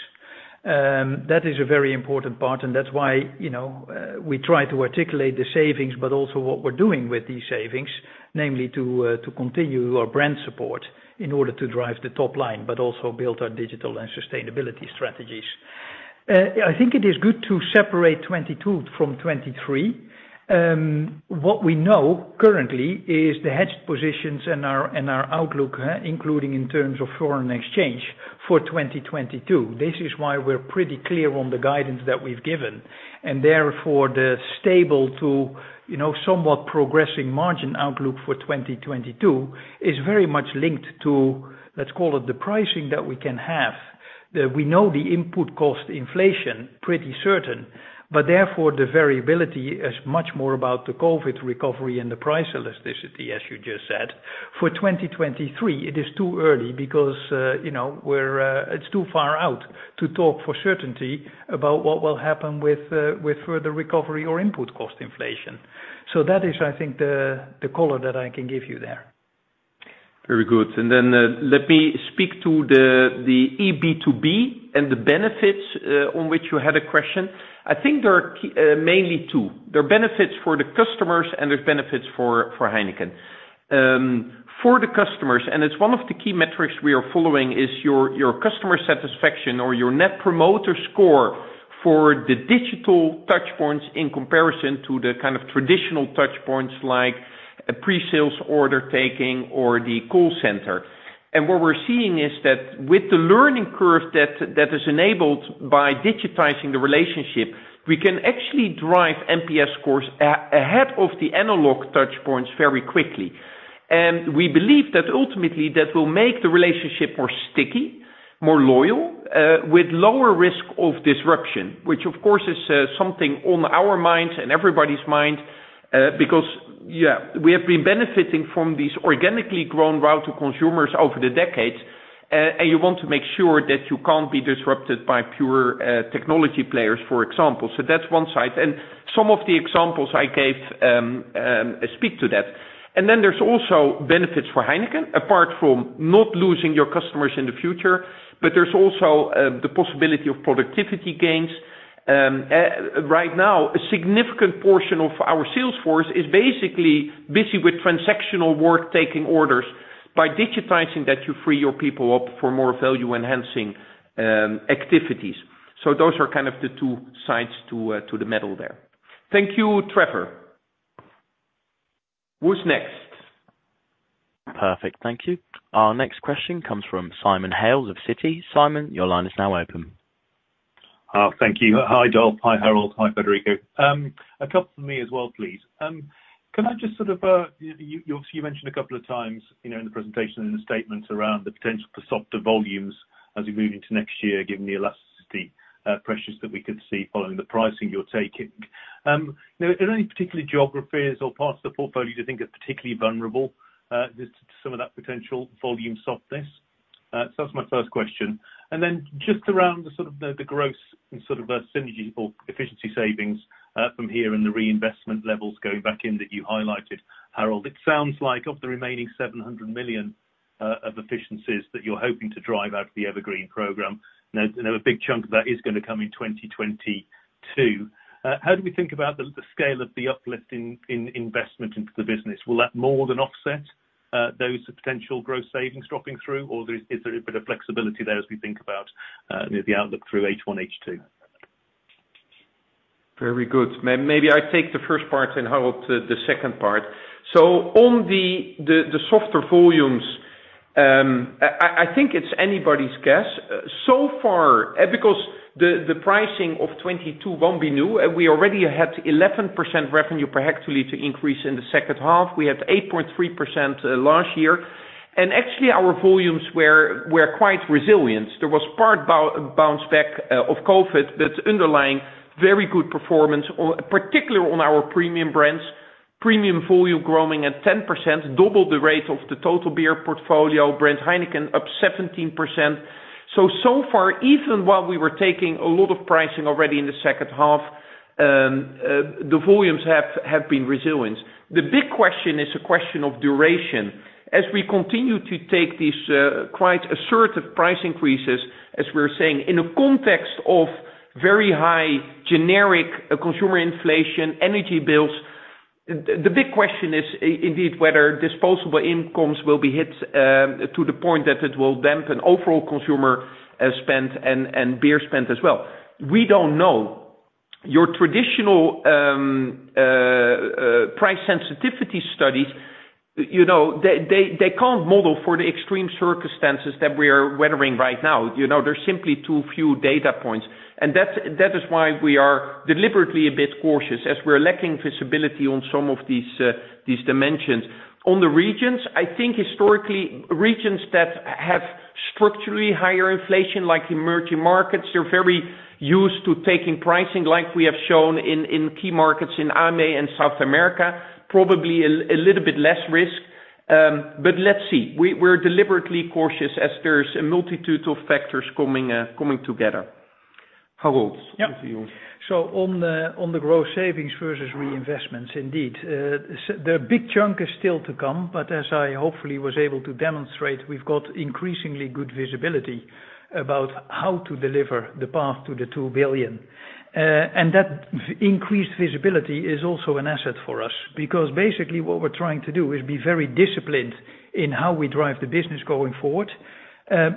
That is a very important part, and that's why, you know, we try to articulate the savings, but also what we're doing with these savings, namely to continue our brand support in order to drive the top line, but also build our digital and sustainability strategies. I think it is good to separate 2022 from 2023. What we know currently is the hedged positions and our outlook, including in terms of foreign exchange for 2022. This is why we're pretty clear on the guidance that we've given, and therefore the stable to, you know, somewhat progressing margin outlook for 2022 is very much linked to, let's call it the pricing that we can have. That we know the input cost inflation pretty certain, but therefore the variability is much more about the COVID recovery and the price elasticity, as you just said. For 2023, it is too early because, you know, it's too far out to talk for certainty about what will happen with further recovery or input cost inflation. That is, I think, the color that I can give you there. Very good. Let me speak to the eB2B and the benefits on which you had a question. I think there are mainly two. There are benefits for the customers, and there's benefits for Heineken. For the customers, and it's one of the key metrics we are following, is your customer satisfaction or your net promoter score for the digital touchpoints in comparison to the kind of traditional touchpoints like a pre-sales order taking or the call center. What we're seeing is that with the learning curve that is enabled by digitizing the relationship, we can actually drive NPS scores ahead of the analog touchpoints very quickly. We believe that ultimately that will make the relationship more sticky, more loyal, with lower risk of disruption, which of course is something on our minds and everybody's mind, because we have been benefiting from these organically grown route to consumers over the decades. You want to make sure that you can't be disrupted by pure technology players, for example. So that's one side. Some of the examples I gave speak to that. Then there's also benefits for Heineken, apart from not losing your customers in the future, but there's also the possibility of productivity gains. Right now, a significant portion of our sales force is basically busy with transactional work taking orders. By digitizing that, you free your people up for more value-enhancing activities. Those are kind of the two sides to the middle there. Thank you, Trevor. Who's next? Perfect. Thank you. Our next question comes from Simon Hales of Citi. Simon, your line is now open. Thank you. Hi, Dolf van den Brink. Hi, Harold van den Broek. Hi, Federico. A couple from me as well, please. Can I just sort of... You mentioned a couple of times, you know, in the presentation, in the statements around the potential for softer volumes as we move into next year, given the elasticity pressures that we could see following the pricing you're taking. You know, are there any particular geographies or parts of the portfolio you think are particularly vulnerable to some of that potential volume softness? So that's my first question. Just around the growth and sort of synergy or efficiency savings from here and the reinvestment levels going back in that you highlighted, Harold van den Broek. It sounds like of the remaining 700 million of efficiencies that you're hoping to drive out of the EverGreen program, now, you know, a big chunk of that is gonna come in 2022. How do we think about the scale of the uplift in investment into the business? Will that more than offset those potential growth savings dropping through, or is there a bit of flexibility there as we think about, you know, the outlook through H1, H2? Very good. Maybe I take the first part and Harold the second part. On the softer volumes, I think it's anybody's guess. So far, because the pricing of 2022 won't be new, and we already had 11% revenue per hectoliter increase in the second half. We had 8.3% last year. Actually, our volumes were quite resilient. There was partial bounce back of COVID that's underlying very good performance particularly on our premium brands. Premium volume growing at 10%, double the rate of the total beer portfolio. Heineken brand up 17%. So far, even while we were taking a lot of pricing already in the second half, the volumes have been resilient. The big question is a question of duration. As we continue to take these, quite assertive price increases, as we're saying, in the context of very high generic consumer inflation, energy bills, the big question is indeed whether disposable incomes will be hit, to the point that it will dampen overall consumer spend and beer spend as well. We don't know. Your traditional price sensitivity studies, you know, they can't model for the extreme circumstances that we are weathering right now. You know, there's simply too few data points, and that is why we are deliberately a bit cautious as we're lacking visibility on some of these dimensions. On the regions, I think historically, regions that have structurally higher inflation, like emerging markets, they're very used to taking pricing like we have shown in key markets in AME and South America, probably a little bit less risk. Let's see. We're deliberately cautious as there's a multitude of factors coming together. Harold, over to you. On the growth savings versus reinvestments, indeed. The big chunk is still to come, but as I hopefully was able to demonstrate, we've got increasingly good visibility about how to deliver the path to 2 billion. That increased visibility is also an asset for us, because basically what we're trying to do is be very disciplined in how we drive the business going forward,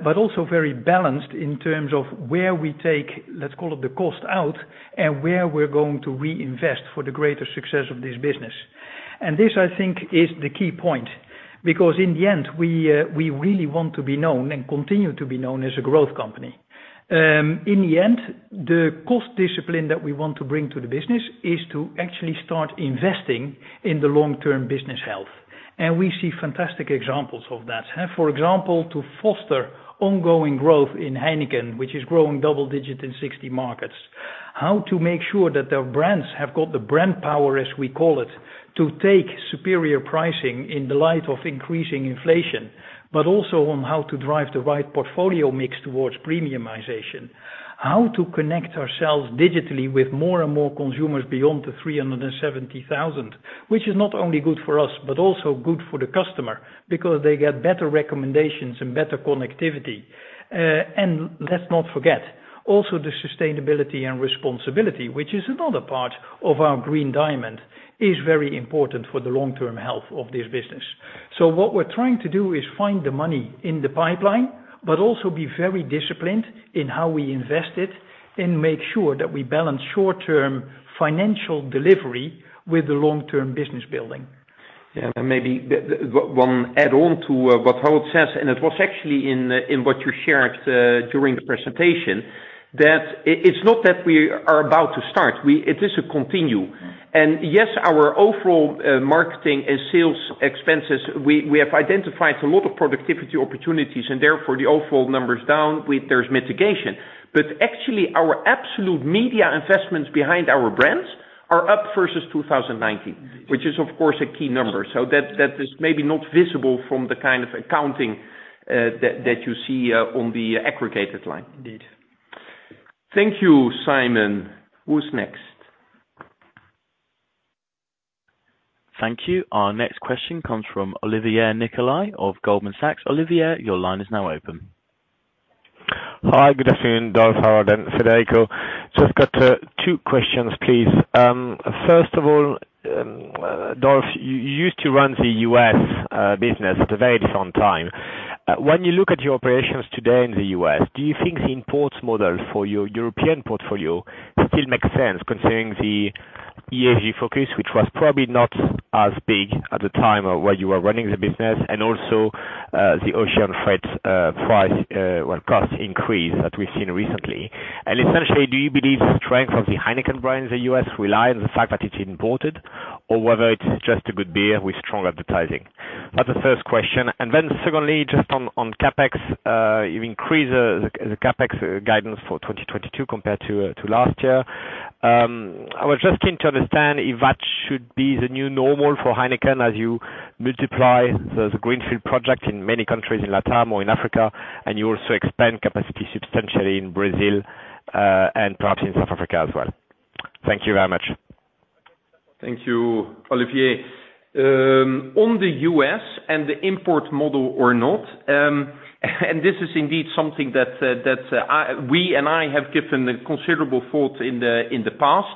but also very balanced in terms of where we take, let's call it, the cost out and where we're going to reinvest for the greater success of this business. This, I think, is the key point, because in the end, we really want to be known and continue to be known as a growth company. In the end, the cost discipline that we want to bring to the business is to actually start investing in the long-term business health. We see fantastic examples of that. For example, to foster ongoing growth in Heineken, which is growing double-digit in 60 markets. How to make sure that their brands have got the brand power, as we call it, to take superior pricing in the light of increasing inflation, but also on how to drive the right portfolio mix towards premiumization. How to connect ourselves digitally with more and more consumers beyond the 370,000, which is not only good for us, but also good for the customer because they get better recommendations and better connectivity. Let's not forget, also the sustainability and responsibility, which is another part of our Green Diamond, is very important for the long-term health of this business. What we're trying to do is find the money in the pipeline, but also be very disciplined in how we invest it and make sure that we balance short-term financial delivery with the long-term business building. Yeah. Maybe one add-on to what Harold says, and it was actually in what you shared during the presentation, that it's not that we are about to start, it is a continuation. Yes, our overall marketing and sales expenses, we have identified a lot of productivity opportunities, and therefore the overall number's down. There's mitigation. Actually our absolute media investments behind our brands are up versus 2019, which is of course a key number. That is maybe not visible from the kind of accounting that you see on the aggregated line. Indeed. Thank you, Simon. Who's next? Thank you. Our next question comes from Olivier Nicolai of Goldman Sachs. Olivier, your line is now open. Hi. Good afternoon, Dolf, Harold, and Federico. Just got two questions, please. First of all, Dolf, you used to run the U.S. business at a very different time. When you look at your operations today in the U.S., do you think the imports model for your European portfolio still makes sense considering the ESG focus, which was probably not as big at the time of when you were running the business, and also the ocean freight price, well, cost increase that we've seen recently? Essentially, do you believe the strength of the Heineken brand in the U.S. rely on the fact that it's imported or whether it's just a good beer with strong advertising? That's the first question. Then secondly, just on CapEx, you increased the CapEx guidance for 2022 compared to last year. I was just keen to understand if that should be the new normal for Heineken as you multiply the greenfield project in many countries in LatAm or in Africa, and you also expand capacity substantially in Brazil, and perhaps in South Africa as well. Thank you very much. Thank you, Olivier. On the U.S. and the import model or not, and this is indeed something that we and I have given a considerable thought in the past.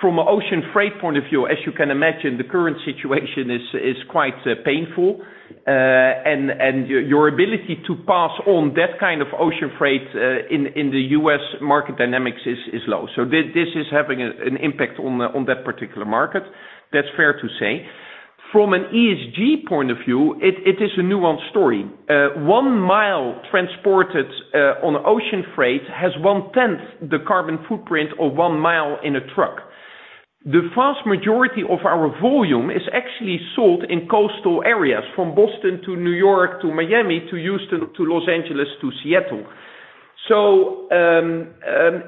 From an ocean freight point of view, as you can imagine, the current situation is quite painful. Your ability to pass on that kind of ocean freight in the U.S. market dynamics is low. This is having an impact on that particular market. That's fair to say. From an ESG point of view, it is a nuanced story. One mile transported on ocean freight has 1/10 the carbon footprint of one mile in a truck. The vast majority of our volume is actually sold in coastal areas, from Boston to New York to Miami to Houston to Los Angeles to Seattle.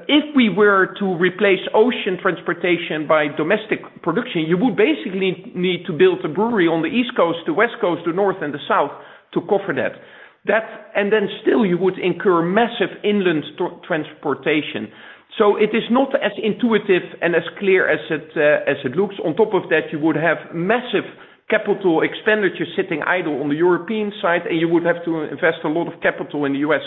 If we were to replace ocean transportation by domestic production, you would basically need to build a brewery on the East Coast to West Coast, to North and the South to cover that. Still you would incur massive inland transportation. It is not as intuitive and as clear as it looks. On top of that, you would have massive capital expenditure sitting idle on the European side, and you would have to invest a lot of capital in the U.S.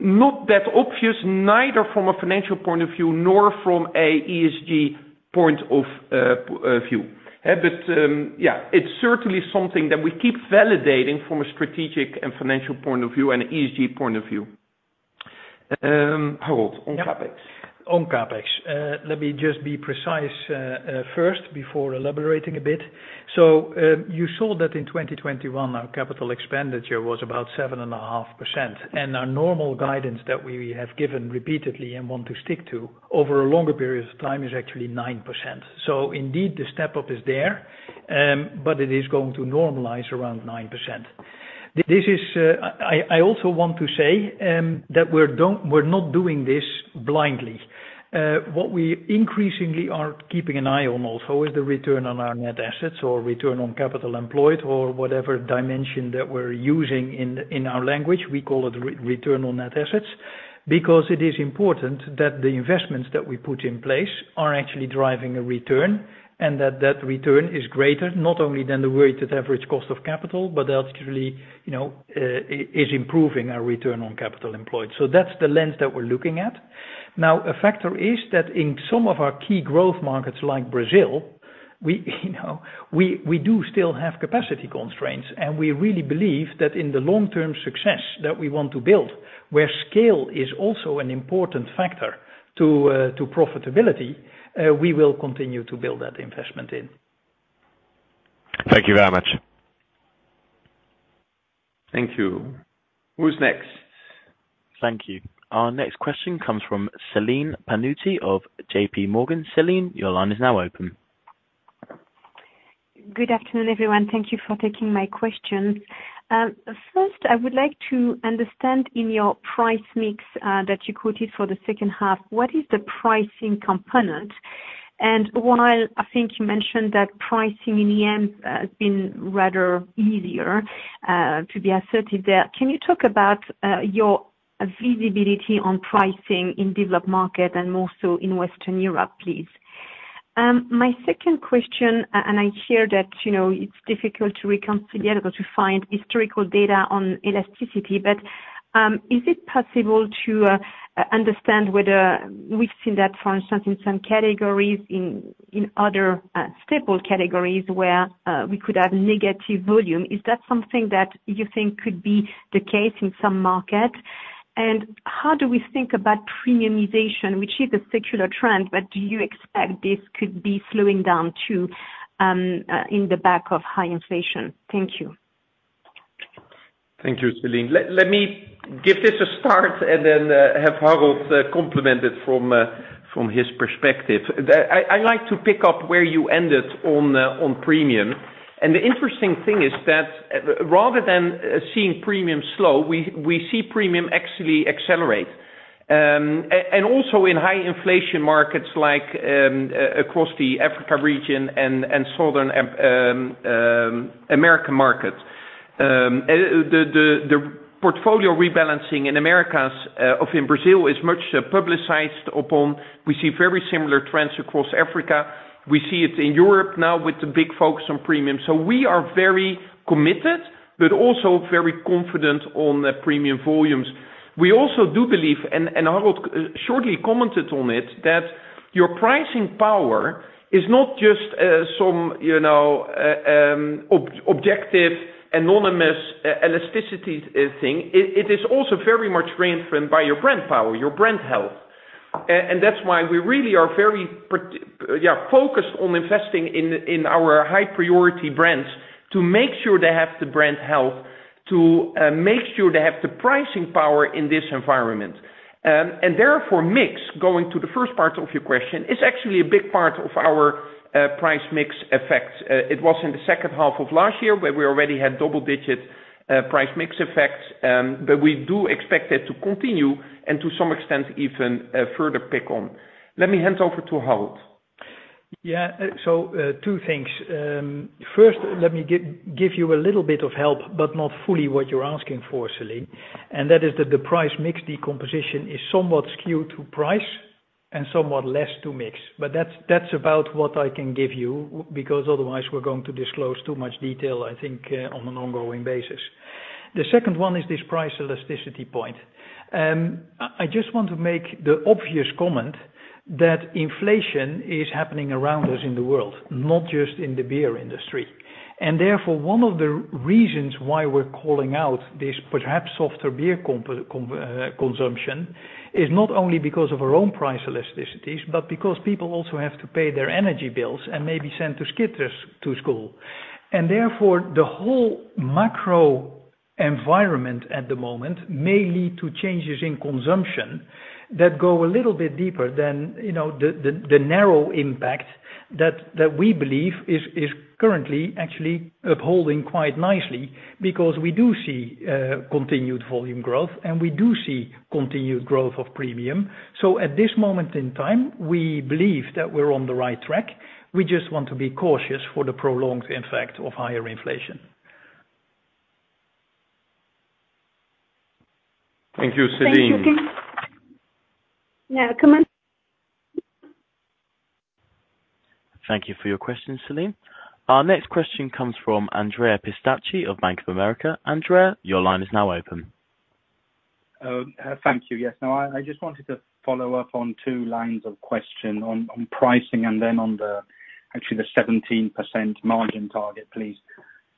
Not that obvious, neither from a financial point of view nor from an ESG point of view. Yeah, it's certainly something that we keep validating from a strategic and financial point of view and ESG point of view. Harold, on CapEx. On CapEx. Let me just be precise first before elaborating a bit. You saw that in 2021, our capital expenditure was about 7.5%. Our normal guidance that we have given repeatedly and want to stick to over a longer period of time is actually 9%. Indeed the step-up is there, but it is going to normalize around 9%. This is. I also want to say that we're not doing this blindly. What we increasingly are keeping an eye on also is the return on our net assets or return on capital employed or whatever dimension that we're using in our language. We call it return on net assets, because it is important that the investments that we put in place are actually driving a return, and that return is greater, not only than the weighted average cost of capital, but ultimately, is improving our return on capital employed. That's the lens that we're looking at. Now, a factor is that in some of our key growth markets like Brazil, we do still have capacity constraints, and we really believe that in the long term success that we want to build, where scale is also an important factor to profitability, we will continue to build that investment in. Thank you very much. Thank you. Who's next? Thank you. Our next question comes from Celine Pannuti of JP Morgan. Celine, your line is now open. Good afternoon, everyone. Thank you for taking my question. First, I would like to understand in your price mix that you quoted for the second half, what is the pricing component? While I think you mentioned that pricing in the end has been rather easier to be asserted there, can you talk about your visibility on pricing in developed market and more so in Western Europe, please? My second question, and I hear that, you know, it's difficult to find historical data on elasticity, but is it possible to understand whether we've seen that, for instance, in some categories in other staple categories where we could have negative volume? Is that something that you think could be the case in some markets? How do we think about premiumization, which is a secular trend, but do you expect this could be slowing down too, on the back of high inflation? Thank you. Thank you, Celine. Let me give this a start and then have Harold complement it from his perspective. I like to pick up where you ended on premium. The interesting thing is that rather than seeing premium slow, we see premium actually accelerate. Also in high inflation markets like across the Africa region and Southern American markets. The portfolio rebalancing in Americas in Brazil is much publicized upon. We see very similar trends across Africa. We see it in Europe now with the big focus on premium. We are very committed, but also very confident on the premium volumes. We also do believe, and Harold shortly commented on it, that your pricing power is not just some you know objective anonymous elasticity thing. It is also very much reinforced by your brand power, your brand health. That's why we really are very focused on investing in our high priority brands to make sure they have the brand health, to make sure they have the pricing power in this environment. Therefore, mix, going to the first part of your question, is actually a big part of our price mix effect. It was in the second half of last year where we already had double-digit price mix effects. We do expect it to continue and to some extent, even further pick up. Let me hand over to Harold. Two things. First, let me give you a little bit of help, but not fully what you're asking for, Celine, and that is that the price mix decomposition is somewhat skewed to price and somewhat less to mix. That's about what I can give you because otherwise we're going to disclose too much detail, I think, on an ongoing basis. The second one is this price elasticity point. I just want to make the obvious comment that inflation is happening around us in the world, not just in the beer industry. Therefore, one of the reasons why we're calling out this perhaps softer beer consumption is not only because of our own price elasticities, but because people also have to pay their energy bills and maybe send their kids to school. Therefore, the whole macro environment at the moment may lead to changes in consumption that go a little bit deeper than, you know, the narrow impact that we believe is currently actually upholding quite nicely because we do see continued volume growth, and we do see continued growth of premium. At this moment in time, we believe that we're on the right track. We just want to be cautious for the prolonged effect of higher inflation. Thank you, Celine. Thank you again. Now, come on. Thank you for your question, Celine. Our next question comes from Andrea Pistacchi of Bank of America. Andrea, your line is now open. Thank you. Yes. Now I just wanted to follow up on two lines of question on pricing and then on actually the 17% margin target, please.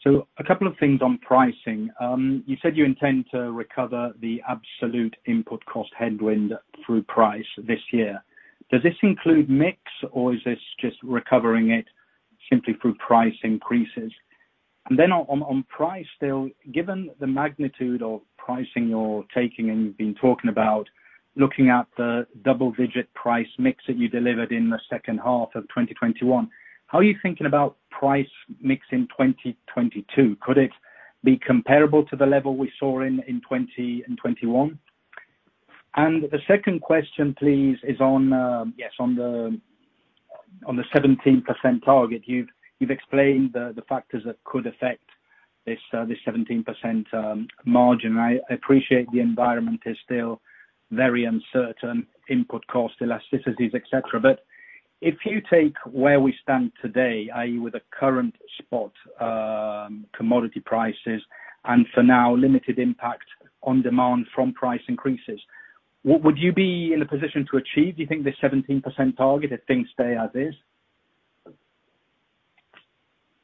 So a couple of things on pricing. You said you intend to recover the absolute input cost headwind through price this year. Does this include mix or is this just recovering it simply through price increases? And then on price still, given the magnitude of pricing you're taking and you've been talking about looking at the double-digit price mix that you delivered in the second half of 2021, how are you thinking about price mix in 2022? Could it be comparable to the level we saw in 2020 and 2021? And the second question please, is on the 17% target. You've explained the factors that could affect this 17% margin. I appreciate the environment is still very uncertain, input cost, elasticities, et cetera. If you take where we stand today, i.e., with the current spot commodity prices, and for now, limited impact on demand from price increases, would you be in a position to achieve, you think, the 17% target if things stay as is?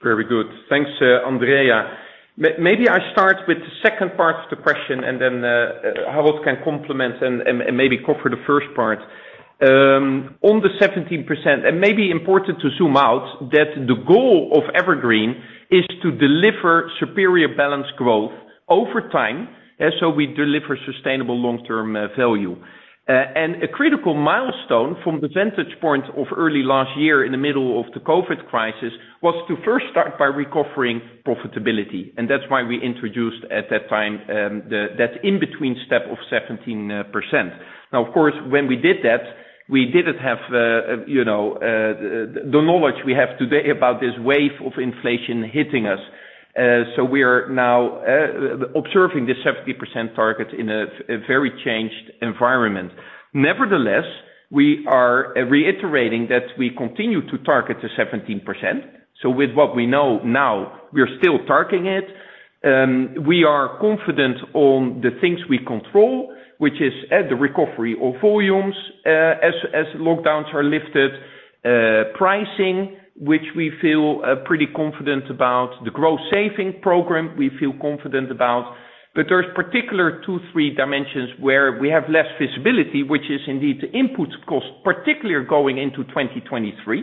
Very good. Thanks, Andrea. Maybe I start with the second part of the question and then, Harold can complement and maybe cover the first part. On the 17%, it may be important to zoom out that the goal of EverGreen is to deliver superior balanced growth over time, and so we deliver sustainable long-term value. A critical milestone from the vantage point of early last year in the middle of the COVID crisis was to first start by recovering profitability. That's why we introduced at that time that in-between step of 17%. Now, of course, when we did that, we didn't have you know the knowledge we have today about this wave of inflation hitting us. We are now observing the 17% target in a very changed environment. Nevertheless, we are reiterating that we continue to target the 17%. With what we know now, we're still targeting it. We are confident on the things we control, which is the recovery of volumes as lockdowns are lifted, pricing, which we feel pretty confident about. The cost savings program, we feel confident about. There are in particular two, three dimensions where we have less visibility, which are indeed the input costs, particularly going into 2023,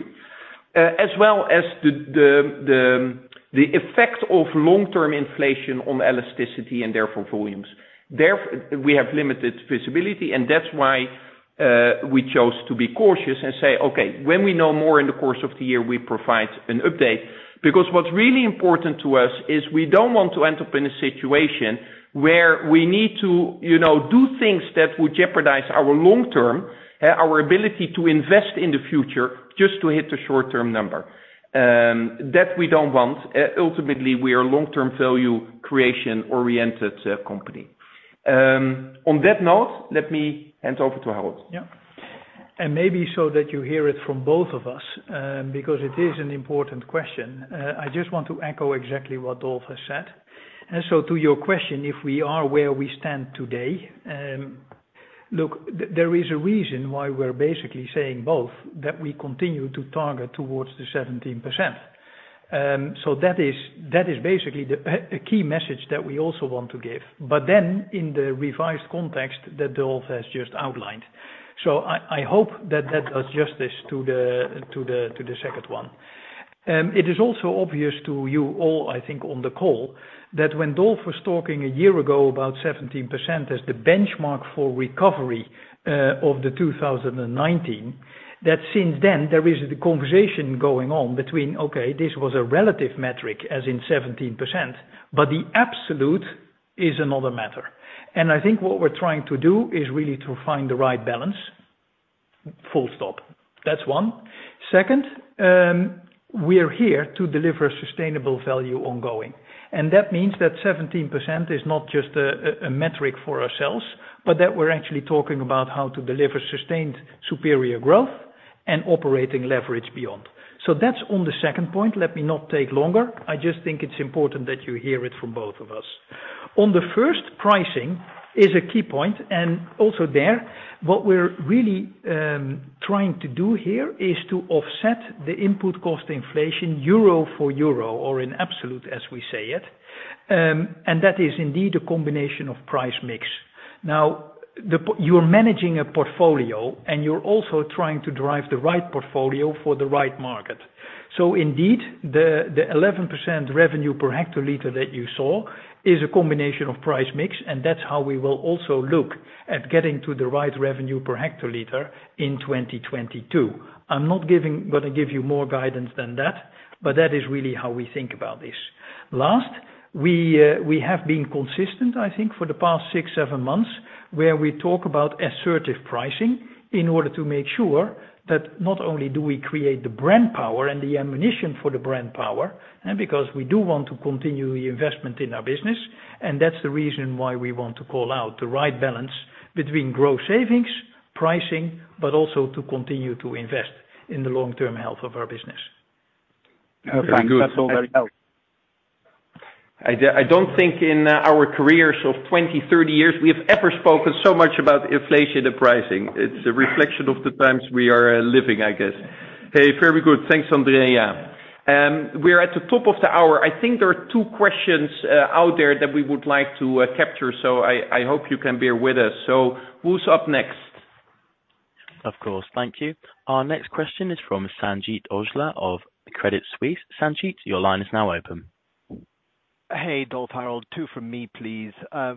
as well as the effect of long-term inflation on elasticity and therefore volumes. We have limited visibility, and that's why we chose to be cautious and say, "Okay, when we know more in the course of the year, we provide an update." What's really important to us is we don't want to end up in a situation where we need to, you know, do things that would jeopardize our long term, our ability to invest in the future just to hit the short-term number. That we don't want. Ultimately, we are a long-term value creation-oriented company. On that note, let me hand over to Harold. Yeah. Maybe so that you hear it from both of us, because it is an important question. I just want to echo exactly what Dolf has said. To your question, if we are where we stand today, look, there is a reason why we're basically saying both, that we continue to target towards the 17%. That is basically the key message that we also want to give. In the revised context that Dolf has just outlined, I hope that that does justice to the second one. It is also obvious to you all, I think, on the call, that when Dolf was talking a year ago about 17% as the benchmark for recovery of the 2019, that since then there is the conversation going on between, okay, this was a relative metric, as in 17%, but the absolute is another matter. I think what we're trying to do is really to find the right balance. That's one. Second, we are here to deliver sustainable value ongoing. That means that 17% is not just a metric for ourselves, but that we're actually talking about how to deliver sustained superior growth and operating leverage beyond. That's on the second point. Let me not take longer. I just think it's important that you hear it from both of us. On the first, pricing is a key point, and also there, what we're really trying to do here is to offset the input cost inflation euro for euro or in absolute, as we say it. That is indeed a combination of price mix. Now, you're managing a portfolio, and you're also trying to drive the right portfolio for the right market. Indeed, the 11% revenue per hectoliter that you saw is a combination of price mix, and that's how we will also look at getting to the right revenue per hectoliter in 2022. I'm not gonna give you more guidance than that, but that is really how we think about this. Last, we have been consistent, I think, for the past 6, 7 months, where we talk about assertive pricing in order to make sure that not only do we create the brand power and the ammunition for the brand power, and because we do want to continue the investment in our business, and that's the reason why we want to call out the right balance between growth savings, pricing, but also to continue to invest in the long-term health of our business. Very good. Thanks. That's all very helpful. I don't think in our careers of 20, 30 years, we have ever spoken so much about inflation and pricing. It's a reflection of the times we are living, I guess. Hey, very good. Thanks, Andrea, yeah. We're at the top of the hour. I think there are 2 questions out there that we would like to capture, so I hope you can bear with us. Who's up next? Of course. Thank you. Our next question is from Sanjeet Aujla of UBS. Sanjeet, your line is now open. Hey, Dolf, Harold. Two from me, please.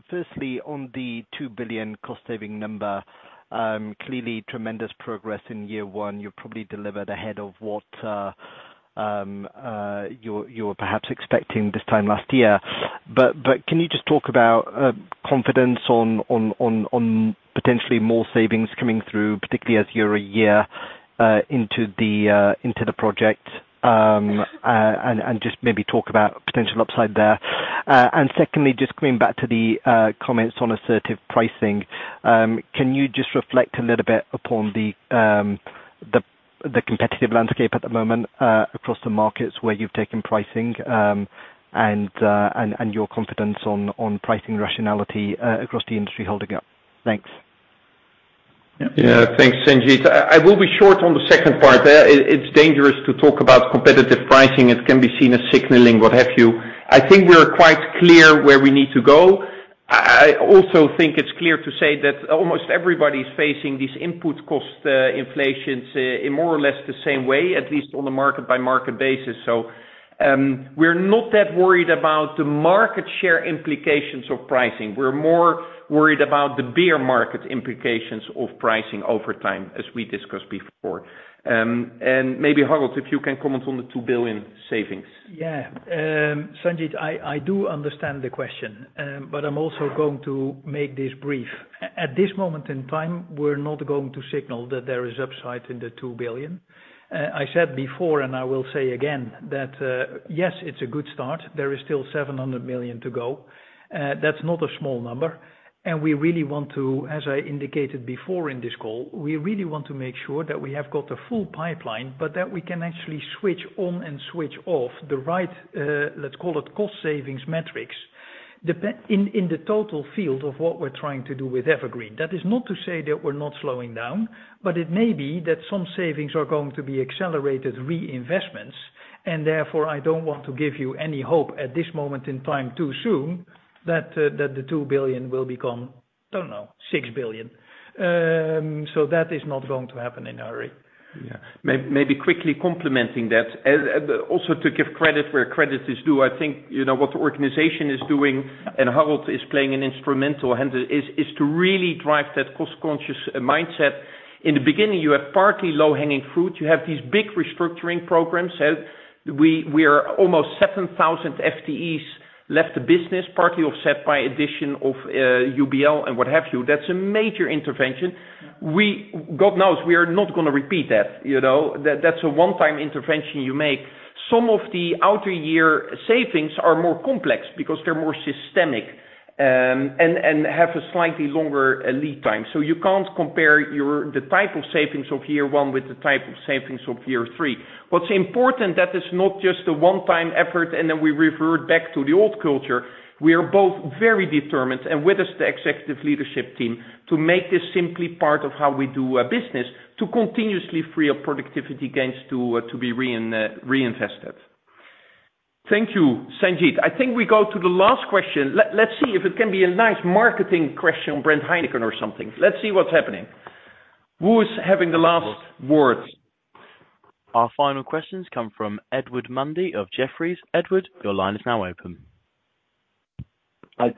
Firstly, on the 2 billion cost saving number, clearly tremendous progress in year one. You probably delivered ahead of what you were perhaps expecting this time last year. Can you just talk about confidence on potentially more savings coming through, particularly as you're a year into the project? And just maybe talk about potential upside there. And secondly, just coming back to the comments on assertive pricing, can you just reflect a little bit upon the competitive landscape at the moment, across the markets where you've taken pricing, and your confidence on pricing rationality across the industry holding up? Thanks. Yeah. Thanks, Sanjeet. I will be short on the second part. It's dangerous to talk about competitive pricing. It can be seen as signaling, what have you. I think we're quite clear where we need to go. I also think it's clear to say that almost everybody's facing these input cost inflations in more or less the same way, at least on a market-by-market basis. We're not that worried about the market share implications of pricing. We're more worried about the beer market implications of pricing over time, as we discussed before. Maybe Harold, if you can comment on the 2 billion savings. Yeah. Sanjit, I do understand the question, but I'm also going to make this brief. At this moment in time, we're not going to signal that there is upside in the 2 billion. I said before, and I will say again, that yes, it's a good start. There is still 700 million to go. That's not a small number. We really want to, as I indicated before in this call, make sure that we have got a full pipeline, but that we can actually switch on and switch off the right cost savings metrics in the total field of what we're trying to do with EverGreen. That is not to say that we're not slowing down, but it may be that some savings are going to be accelerated reinvestments, and therefore, I don't want to give you any hope at this moment in time too soon that that the 2 billion will become, don't know, 6 billion. That is not going to happen in a hurry. Maybe quickly complementing that, also to give credit where credit is due, I think, you know, what the organization is doing, and Harold is playing an instrumental hand, is to really drive that cost-conscious mindset. In the beginning, you have partly low-hanging fruit. You have these big restructuring programs. We are almost 7,000 FTEs left the business, partly offset by addition of UBL and what have you. That's a major intervention. We, God knows, we are not gonna repeat that. You know? That's a one-time intervention you make. Some of the outer year savings are more complex because they're more systemic, and have a slightly longer lead time. You can't compare the type of savings of year one with the type of savings of year three. What's important is that is not just a one-time effort, and then we revert back to the old culture. We are both very determined, and with us, the Executive Leadership Team, to make this simply part of how we do business to continuously free up productivity gains to be reinvested. Thank you, Sanjit. I think we go to the last question. Let's see if it can be a nice marketing question on brand Heineken or something. Let's see what's happening. Who's having the last words? Our final questions come from Edward Mundy of Jefferies. Edward, your line is now open.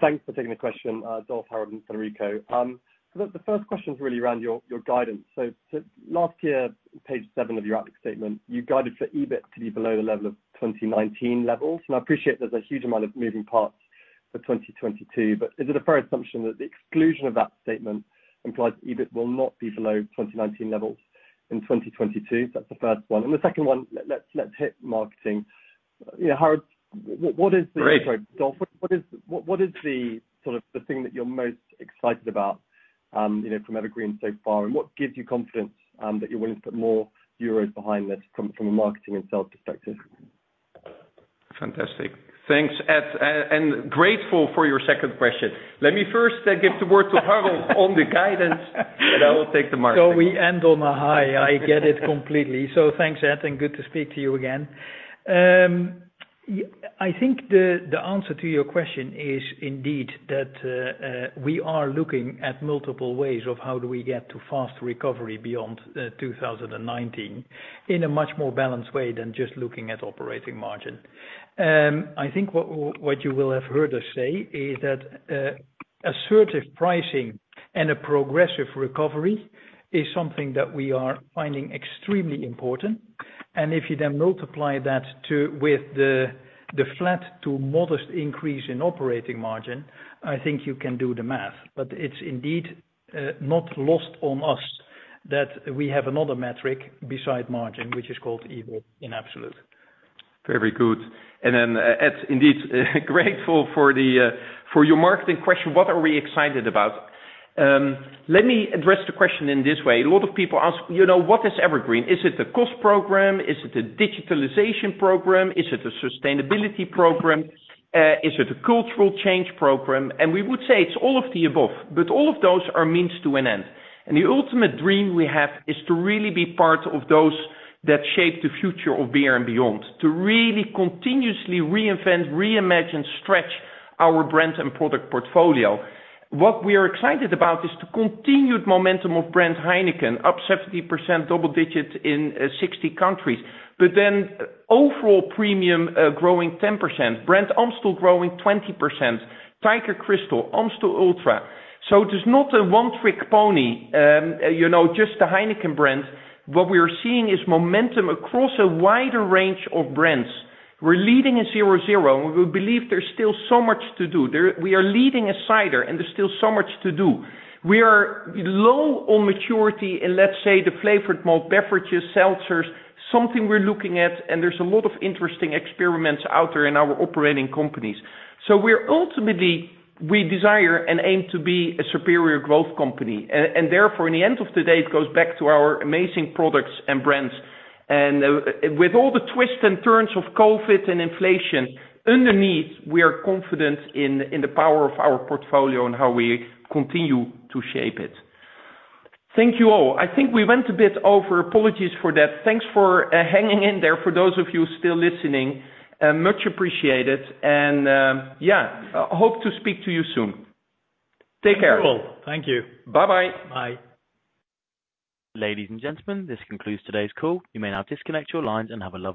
Thanks for taking the question, Dolf, Harold, and Federico. The first question is really around your guidance. Last year, page seven of your outlook statement, you guided for EBIT to be below the level of 2019 levels. I appreciate there's a huge amount of moving parts for 2022, but is it a fair assumption that the exclusion of that statement implies EBIT will not be below 2019 levels in 2022? That's the first one. The second one, let's hit marketing. You know, Harold, what is the- Great. Sorry, Dolf. What is the sort of thing that you're most excited about, you know, from Evergreen so far? What gives you confidence that you're willing to put more euros behind this from a marketing and sales perspective? Fantastic. Thanks, Ed. Grateful for your second question. Let me first give the word to Harold on the guidance, and I will take the marketing. We end on a high. I get it completely. Thanks, Ed, and good to speak to you again. I think the answer to your question is indeed that we are looking at multiple ways of how do we get to fast recovery beyond 2019 in a much more balanced way than just looking at operating margin. I think what you will have heard us say is that assertive pricing and a progressive recovery is something that we are finding extremely important. If you then multiply that with the flat to modest increase in operating margin, I think you can do the math. It's indeed not lost on us that we have another metric beside margin, which is called EBIT in absolute. Very good. Ed, indeed, grateful for your marketing question, what are we excited about? Let me address the question in this way. A lot of people ask, you know, what is EverGreen? Is it a cost program? Is it a digitalization program? Is it a sustainability program? Is it a cultural change program? We would say it's all of the above, but all of those are means to an end. The ultimate dream we have is to really be part of those that shape the future of beer and beyond. To really continuously reinvent, reimagine, stretch our brand and product portfolio. What we are excited about is the continued momentum of brand Heineken, up 70%, double digits in 60 countries. Then overall premium growing 10%. Brand Amstel growing 20%. Tiger Crystal, Amstel Ultra. It is not a one-trick pony, you know, just the Heineken brand. What we are seeing is momentum across a wider range of brands. We're leading in 0.0, and we believe there's still so much to do. We are leading in cider, and there's still so much to do. We are low on maturity in, let's say, the flavored malt beverages, seltzers, something we're looking at, and there's a lot of interesting experiments out there in our operating companies. We're ultimately we desire and aim to be a superior growth company. Therefore, in the end of the day, it goes back to our amazing products and brands. With all the twists and turns of COVID-19 and inflation, underneath, we are confident in the power of our portfolio and how we continue to shape it. Thank you all. I think we went a bit over. Apologies for that. Thanks for hanging in there for those of you still listening. Much appreciated. Yeah, hope to speak to you soon. Take care. Thank you all. Thank you. Bye-bye. Bye. Ladies and gentlemen, this concludes today's call. You may now disconnect your lines and have a lovely day.